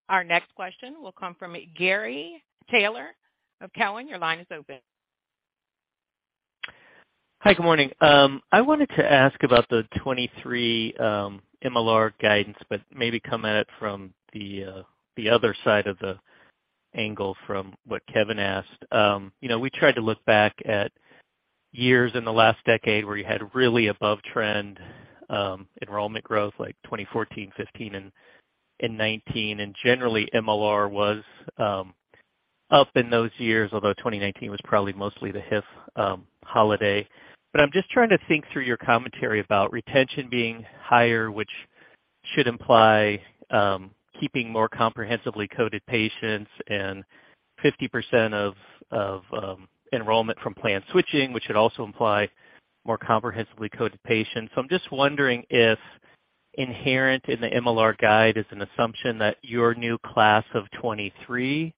Our next question will come from Gary Taylor of Cowen. Your line is open. Hi, good morning. I wanted to ask about the 23 MLR guidance, but maybe come at it from the other side of the angle from what Kevin asked. You know, we tried to look back at years in the last decade where you had really above trend enrollment growth, like 2014, 15 and 19. Generally MLR was up in those years, although 2019 was probably mostly the HIF holiday. I'm just trying to think through your commentary about retention being higher, which should imply keeping more comprehensively coded patients and 50% of, enrollment from plan switching, which should also imply more comprehensively coded patients. I'm just wondering if inherent in the MLR guide is an assumption that your new class of 23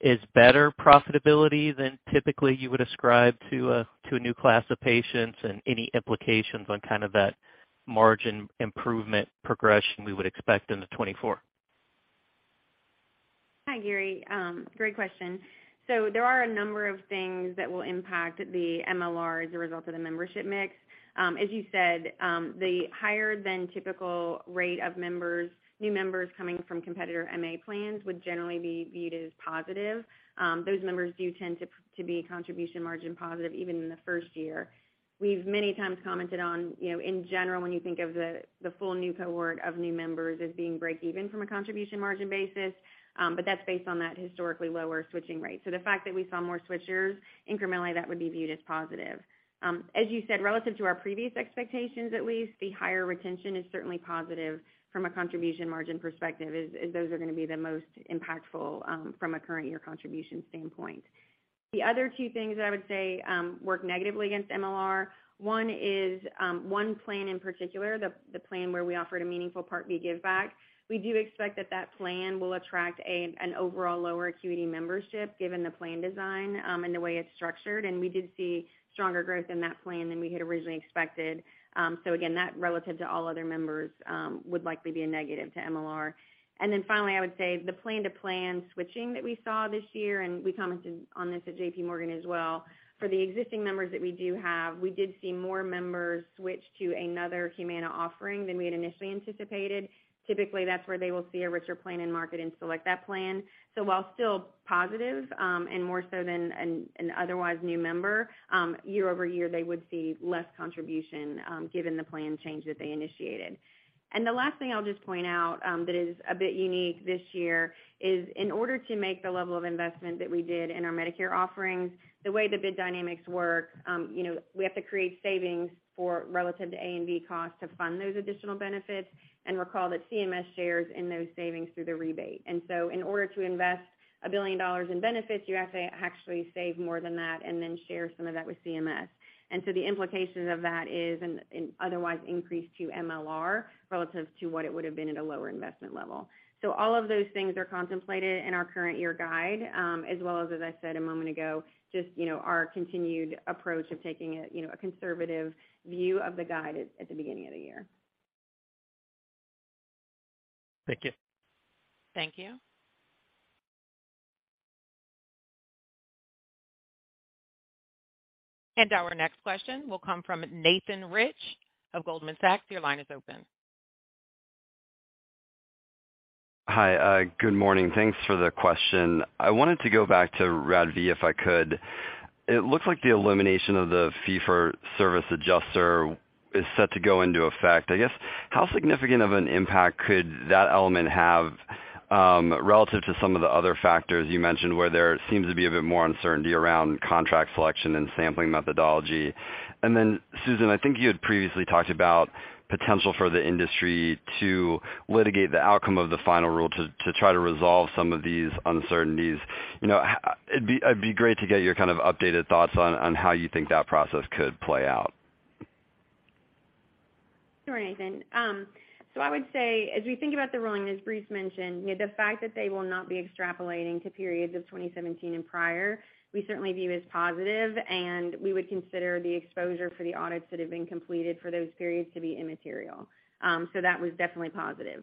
is better profitability than typically you would ascribe to a, to a new class of patients and any implications on kind of that margin improvement progression we would expect into 24. Hi, Gary. great question. There are a number of things that will impact the MLR as a result of the membership mix. As you said, the higher than typical rate of members, new members coming from competitor MA plans would generally be viewed as positive. Those members do tend to be contribution margin positive even in the first year. We've many times commented on, you know, in general, when you think of the full new cohort of new members as being break even from a contribution margin basis, but that's based on that historically lower switching rate. The fact that we saw more switchers, incrementally that would be viewed as positive. As you said, relative to our previous expectations, at least, the higher retention is certainly positive from a contribution margin perspective, as those are gonna be the most impactful from a current year contribution standpoint. The other 2 things that I would say work negatively against MLR, 1 is 1 plan in particular, the plan where we offered a meaningful Part B giveback. We do expect that that plan will attract an overall lower acuity membership given the plan design and the way it's structured. We did see stronger growth in that plan than we had originally expected. Again, that relative to all other members would likely be a negative to MLR. Finally, I would say the plan to plan switching that we saw this year, and we commented on this at J.P. Morgan as well, for the existing members that we do have, we did see more members switch to another Humana offering than we had initially anticipated. Typically, that's where they will see a richer plan in market and select that plan. While still positive, and more so than an otherwise new member, year-over-year, they would see less contribution, given the plan change that they initiated. The last thing I'll just point out, that is a bit unique this year is in order to make the level of investment that we did in our Medicare offerings, the way the bid dynamics work, you know, we have to create savings for relative to A and B costs to fund those additional benefits and recall that CMS shares in those savings through the rebate. In order to invest $1 billion in benefits, you have to actually save more than that and then share some of that with CMS. The implications of that is an otherwise increase to MLR relative to what it would have been at a lower investment level. All of those things are contemplated in our current year guide, as well as I said a moment ago, just, you know, our continued approach of taking a, you know, a conservative view of the guide at the beginning of the year. Thank you. Thank you. Our next question will come from Nathan Rich of Goldman Sachs. Your line is open. Hi, good morning. Thanks for the question. I wanted to go back to RADV, if I could. It looks like the elimination of the fee for service adjuster is set to go into effect. I guess, how significant of an impact could that element have, relative to some of the other factors you mentioned, where there seems to be a bit more uncertainty around contract selection and sampling methodology? Susan, I think you had previously talked about potential for the industry to litigate the outcome of the final rule to try to resolve some of these uncertainties. You know, it'd be great to get your kind of updated thoughts on how you think that process could play out. Sure, Nathan. I would say, as we think about the ruling, as Bruce mentioned, you know, the fact that they will not be extrapolating to periods of 2017 and prior, we certainly view as positive, and we would consider the exposure for the audits that have been completed for those periods to be immaterial. That was definitely positive.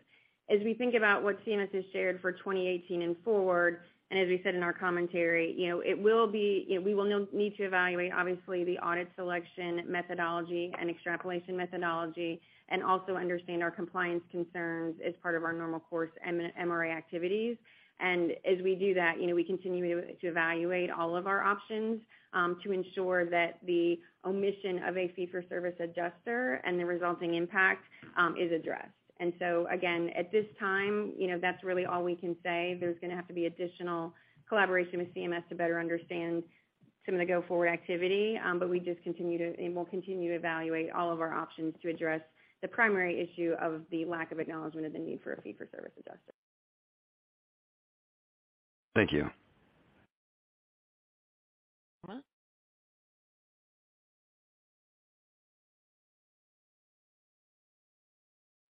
As we think about what CMS has shared for 2018 and forward, and as we said in our commentary, you know, we will need to evaluate obviously the audit selection methodology and extrapolation methodology and also understand our compliance concerns as part of our normal course MRA activities. As we do that, you know, we continue to evaluate all of our options to ensure that the omission of a fee-for-service adjuster and the resulting impact is addressed. Again, at this time, you know, that's really all we can say. There's gonna have to be additional collaboration with CMS to better understand some of the go-forward activity, but we just continue to, and will continue to evaluate all of our options to address the primary issue of the lack of acknowledgement of the need for a fee-for-service adjuster. Thank you.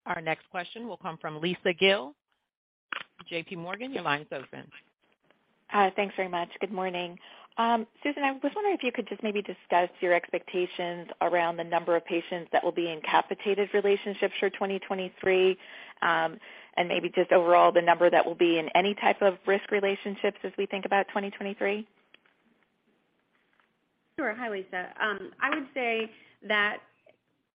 Our next question will come from Lisa Gill, JPMorgan. Your line is open. Thanks very much. Good morning. Susan, I was wondering if you could just maybe discuss your expectations around the number of patients that will be in capitated relationships for 2023, maybe just overall the number that will be in any type of risk relationships as we think about 2023. Sure. Hi, Lisa. I would say that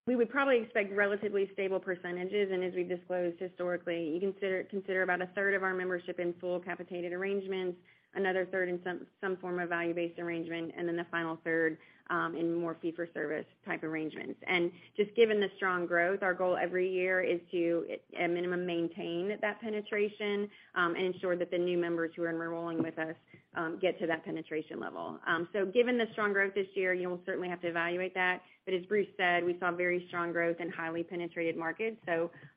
we would probably expect relatively stable percentages, as we disclosed historically, you consider about a third of our membership in full capitated arrangements, another third in some form of value-based arrangement, and then the final third, in more fee-for-service type arrangements. Just given the strong growth, our goal every year is to, at minimum, maintain that penetration, and ensure that the new members who are enrolling with us, get to that penetration level. Given the strong growth this year, you know, we'll certainly have to evaluate that, but as Bruce said, we saw very strong growth in highly penetrated markets.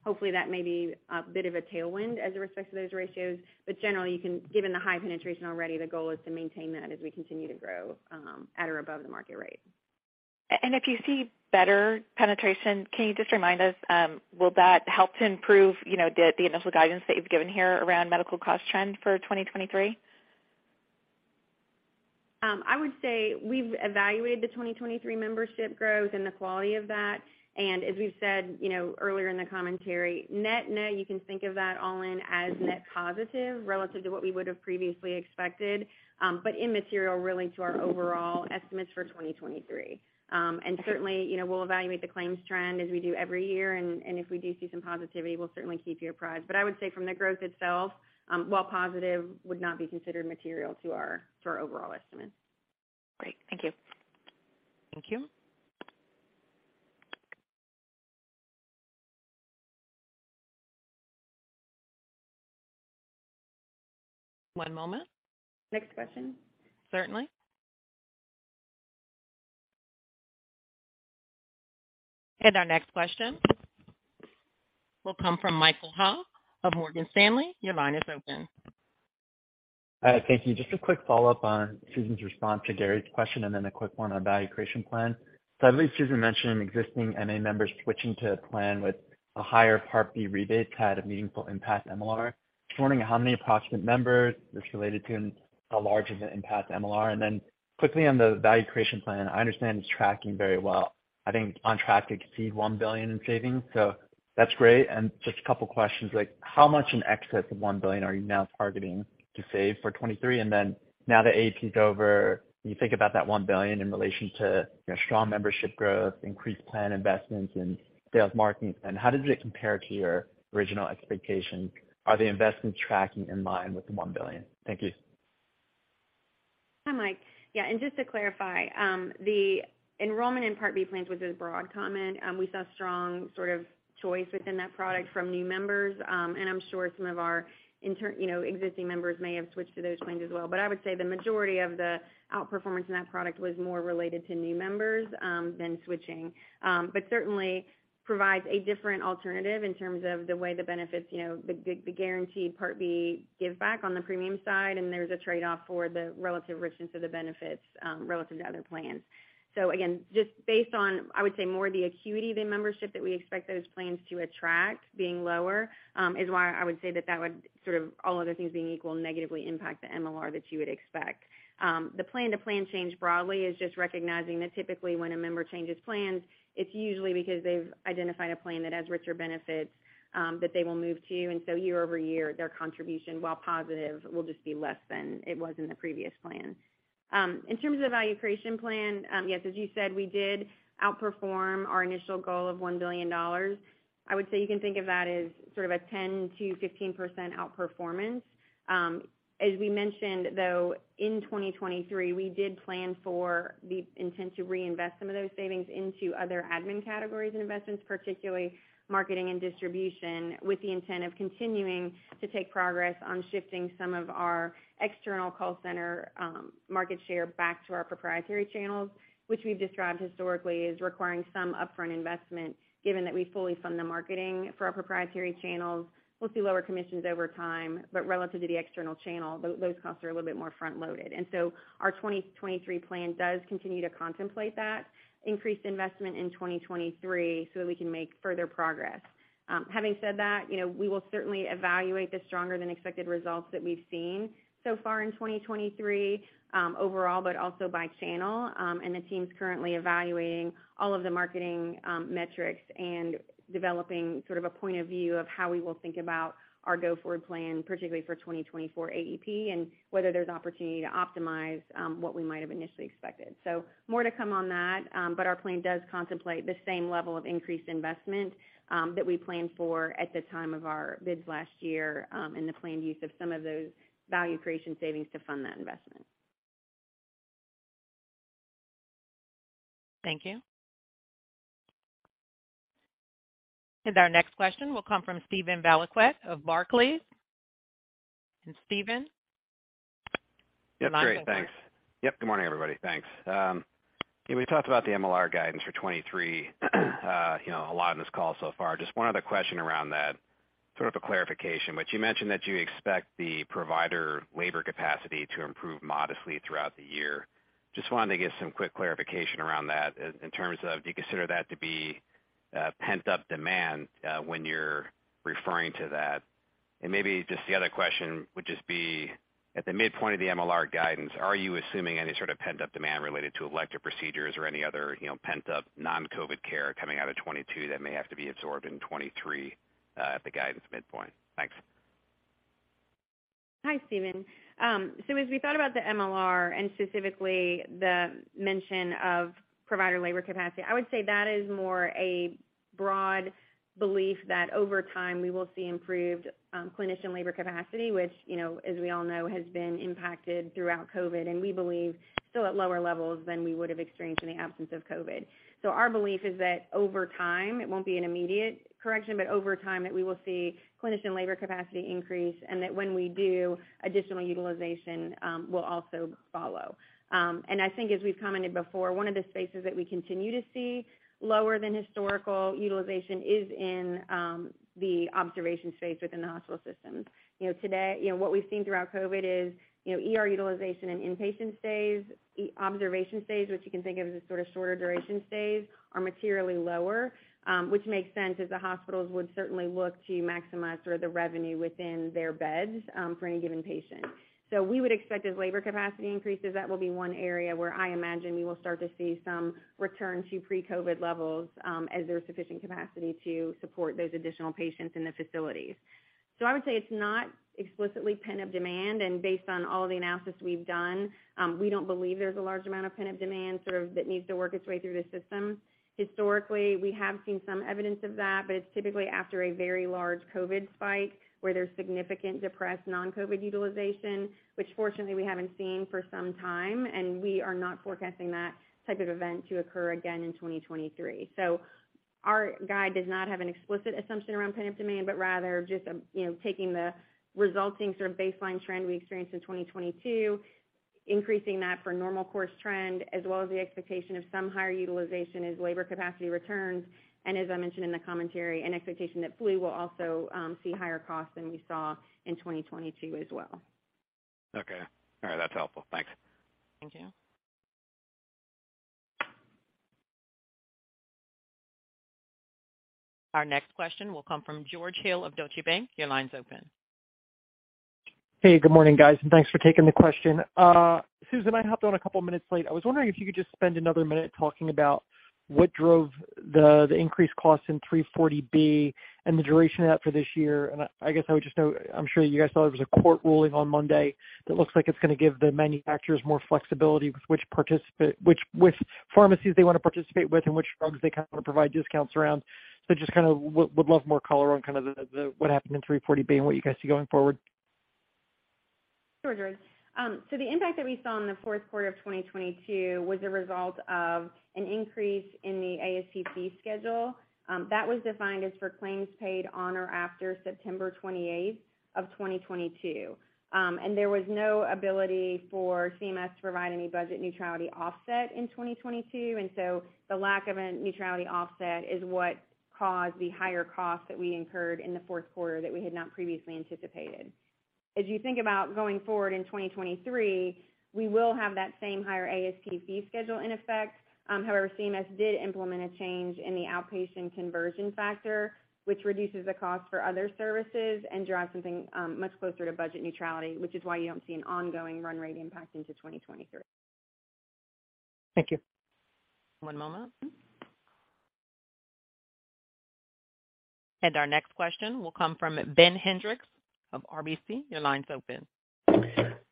Hopefully, that may be a bit of a tailwind as it relates to those ratios. Generally, you can... Given the high penetration already, the goal is to maintain that as we continue to grow, at or above the market rate. If you see better penetration, can you just remind us, will that help to improve, you know, the initial guidance that you've given here around medical cost trend for 2023? I would say we've evaluated the 2023 membership growth and the quality of that. As we've said, you know, earlier in the commentary, net net, you can think of that all in as net positive relative to what we would've previously expected, but immaterial really to our overall estimates for 2023. Certainly, you know, we'll evaluate the claims trend as we do every year, and if we do see some positivity, we'll certainly keep you apprised. I would say from the growth itself, while positive, would not be considered material to our overall estimates. Great. Thank you. Thank you. One moment. Next question. Certainly. Our next question will come from Michael Ha of Morgan Stanley. Your line is open. Thank you. Just a quick follow-up on Susan's response to Gary's question, and then a quick one on value creation plan. I believe Susan mentioned existing MA members switching to a plan with a higher Part B rebate had a meaningful impact to MLR. Just wondering how many approximate members this related to and how large is the impact to MLR? Quickly on the value creation plan, I understand it's tracking very well. I think it's on track to exceed $1 billion in savings, so that's great. Just a couple questions, like how much in excess of $1 billion are you now targeting to save for 2023? Now that AEP's over, when you think about that $1 billion in relation to, you know, strong membership growth, increased plan investments and sales marketing spend, how does it compare to your original expectations? Are the investments tracking in line with the $1 billion? Thank you. Hi, Mike. Yeah, just to clarify, the enrollment in Part B plans was a broad comment. We saw strong sort of choice within that product from new members, and I'm sure some of our you know, existing members may have switched to those plans as well. I would say the majority of the outperformance in that product was more related to new members than switching. Certainly provides a different alternative in terms of the way the benefits, you know, the guaranteed Part B give back on the premium side, and there's a trade-off for the relative richness of the benefits relative to other plans. Again, just based on, I would say, more the acuity of the membership that we expect those plans to attract being lower, is why I would say that that would sort of, all other things being equal, negatively impact the MLR that you would expect. The plan to plan change broadly is just recognizing that typically when a member changes plans, it's usually because they've identified a plan that has richer benefits, that they will move to. Year-over-year, their contribution, while positive, will just be less than it was in the previous plan. In terms of value creation plan, yes, as you said, we did outperform our initial goal of $1 billion. I would say you can think of that as sort of a 10%-15% outperformance. As we mentioned, though, in 2023, we did plan for the intent to reinvest some of those savings into other admin categories and investments, particularly marketing and distribution, with the intent of continuing to take progress on shifting some of our external call center market share back to our proprietary channels, which we've described historically as requiring some upfront investment, given that we fully fund the marketing for our proprietary channels. We'll see lower commissions over time, but relative to the external channel, those costs are a little bit more front-loaded. Our 2023 plan does continue to contemplate that increased investment in 2023 so that we can make further progress. Having said that, you know, we will certainly evaluate the stronger than expected results that we've seen so far in 2023 overall, but also by channel. The team's currently evaluating all of the marketing metrics and developing sort of a point of view of how we will think about our go-forward plan, particularly for 2024 AEP, and whether there's opportunity to optimize what we might have initially expected. More to come on that, our plan does contemplate the same level of increased investment that we planned for at the time of our bids last year, and the planned use of some of those value creation savings to fund that investment. Thank you. Our next question will come from Steven Valiquette of Barclays. Steven, your line's open. Great. Thanks. Good morning, everybody. Thanks. We talked about the MLR guidance for 23, you know, a lot in this call so far. Just one other question around that, sort of a clarification. You mentioned that you expect the provider labor capacity to improve modestly throughout the year. Just wanted to get some quick clarification around that in terms of do you consider that to be pent-up demand when you're referring to that? Maybe just the other question would just be at the midpoint of the MLR guidance, are you assuming any sort of pent-up demand related to elective procedures or any other, you know, pent-up non-COVID care coming out of 22 that may have to be absorbed in 23 at the guidance midpoint? Thanks. Hi, Steven. As we thought about the MLR and specifically the mention of provider labor capacity, I would say that is more a broad belief that over time, we will see improved clinician labor capacity, which, you know, as we all know, has been impacted throughout COVID, and we believe still at lower levels than we would have experienced in the absence of COVID. Our belief is that over time, it won't be an immediate correction, but over time that we will see clinician labor capacity increase, and that when we do, additional utilization will also follow. I think as we've commented before, one of the spaces that we continue to see lower than historical utilization is in the observation space within the hospital systems. You know, today, you know, what we've seen throughout COVID is, you know, ER utilization and inpatient stays, observation stays, which you can think of as a sort of shorter duration stays, are materially lower, which makes sense as the hospitals would certainly look to maximize sort of the revenue within their beds for any given patient. We would expect as labor capacity increases, that will be one area where I imagine we will start to see some return to pre-COVID levels as there's sufficient capacity to support those additional patients in the facilities. I would say it's not explicitly pent-up demand, and based on all the analysis we've done, we don't believe there's a large amount of pent-up demand sort of that needs to work its way through the system. Historically, we have seen some evidence of that, but it's typically after a very large COVID spike where there's significant depressed non-COVID utilization, which fortunately we haven't seen for some time, and we are not forecasting that type of event to occur again in 2023. Our guide does not have an explicit assumption around pent-up demand, but rather just a, you know, taking the resulting sort of baseline trend we experienced in 2022, increasing that for a normal course trend, as well as the expectation of some higher utilization as labor capacity returns. As I mentioned in the commentary, an expectation that flu will also see higher costs than we saw in 2022 as well. Okay. All right. That's helpful. Thanks. Thank you. Our next question will come from George Hill of Deutsche Bank. Your line's open. Hey, good morning, guys, and thanks for taking the question. Susan, I hopped on a couple minutes late. I was wondering if you could just spend another minute talking about what drove the increased cost in 340B and the duration of that for this year. I guess I would just note, I'm sure you guys saw there was a court ruling on Monday that looks like it's gonna give the manufacturers more flexibility with which pharmacies they wanna participate with and which drugs they kinda wanna provide discounts around. Just kinda would love more color on kinda the what happened in 340B and what you guys see going forward. Sure, George. The impact that we saw in the fourth quarter of 2022 was a result of an increase in the ASP fee schedule. That was defined as for claims paid on or after September 28th of 2022. There was no ability for CMS to provide any budget neutrality offset in 2022. The lack of a neutrality offset is what caused the higher cost that we incurred in the fourth quarter that we had not previously anticipated. As you think about going forward in 2023, we will have that same higher ASP fee schedule in effect. However, CMS did implement a change in the outpatient conversion factor, which reduces the cost for other services and drives something much closer to budget neutrality, which is why you don't see an ongoing run rate impact into 2023. Thank you. One moment. Our next question will come from Ben Hendrix of RBC. Your line's open.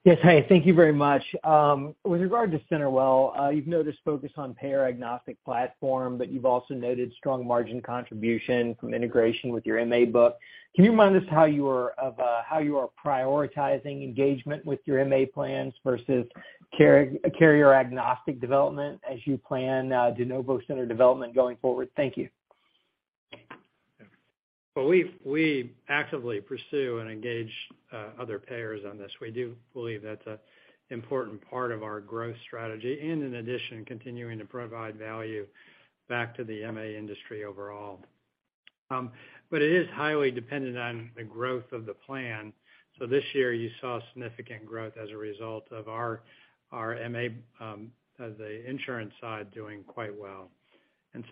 Yes. Hey, thank you very much. With regard to CenterWell, you've noticed focus on payer agnostic platform, but you've also noted strong margin contribution from integration with your MA book. Can you remind us how you are prioritizing engagement with your MA plans versus carrier agnostic development as you plan de novo center development going forward? Thank you. We actively pursue and engage other payers on this. We do believe that's a important part of our growth strategy and in addition, continuing to provide value back to the MA industry overall. It is highly dependent on the growth of the plan. This year you saw significant growth as a result of our MA, the insurance side doing quite well.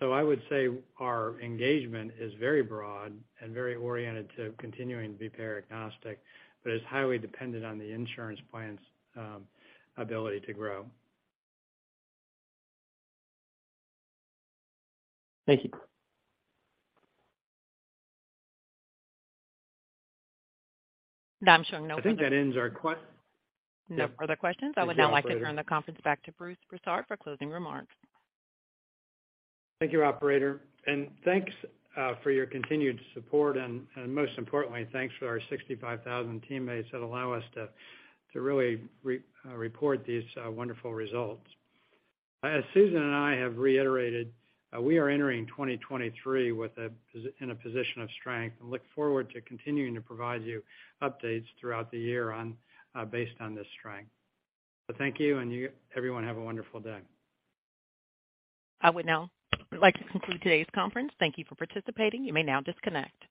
I would say our engagement is very broad and very oriented to continuing to be payer agnostic, but is highly dependent on the insurance plan's ability to grow. Thank you. I'm showing no further. I think that ends our ques-. No further questions. I would now like to turn the conference back to Bruce Broussard for closing remarks. Thank you, operator. Thanks for your continued support and most importantly, thanks to our 65,000 teammates that allow us to really report these wonderful results. As Susan and I have reiterated, we are entering 2023 in a position of strength and look forward to continuing to provide you updates throughout the year on based on this strength. Thank you, and everyone have a wonderful day. I would now like to conclude today's conference. Thank you for participating. You may now disconnect.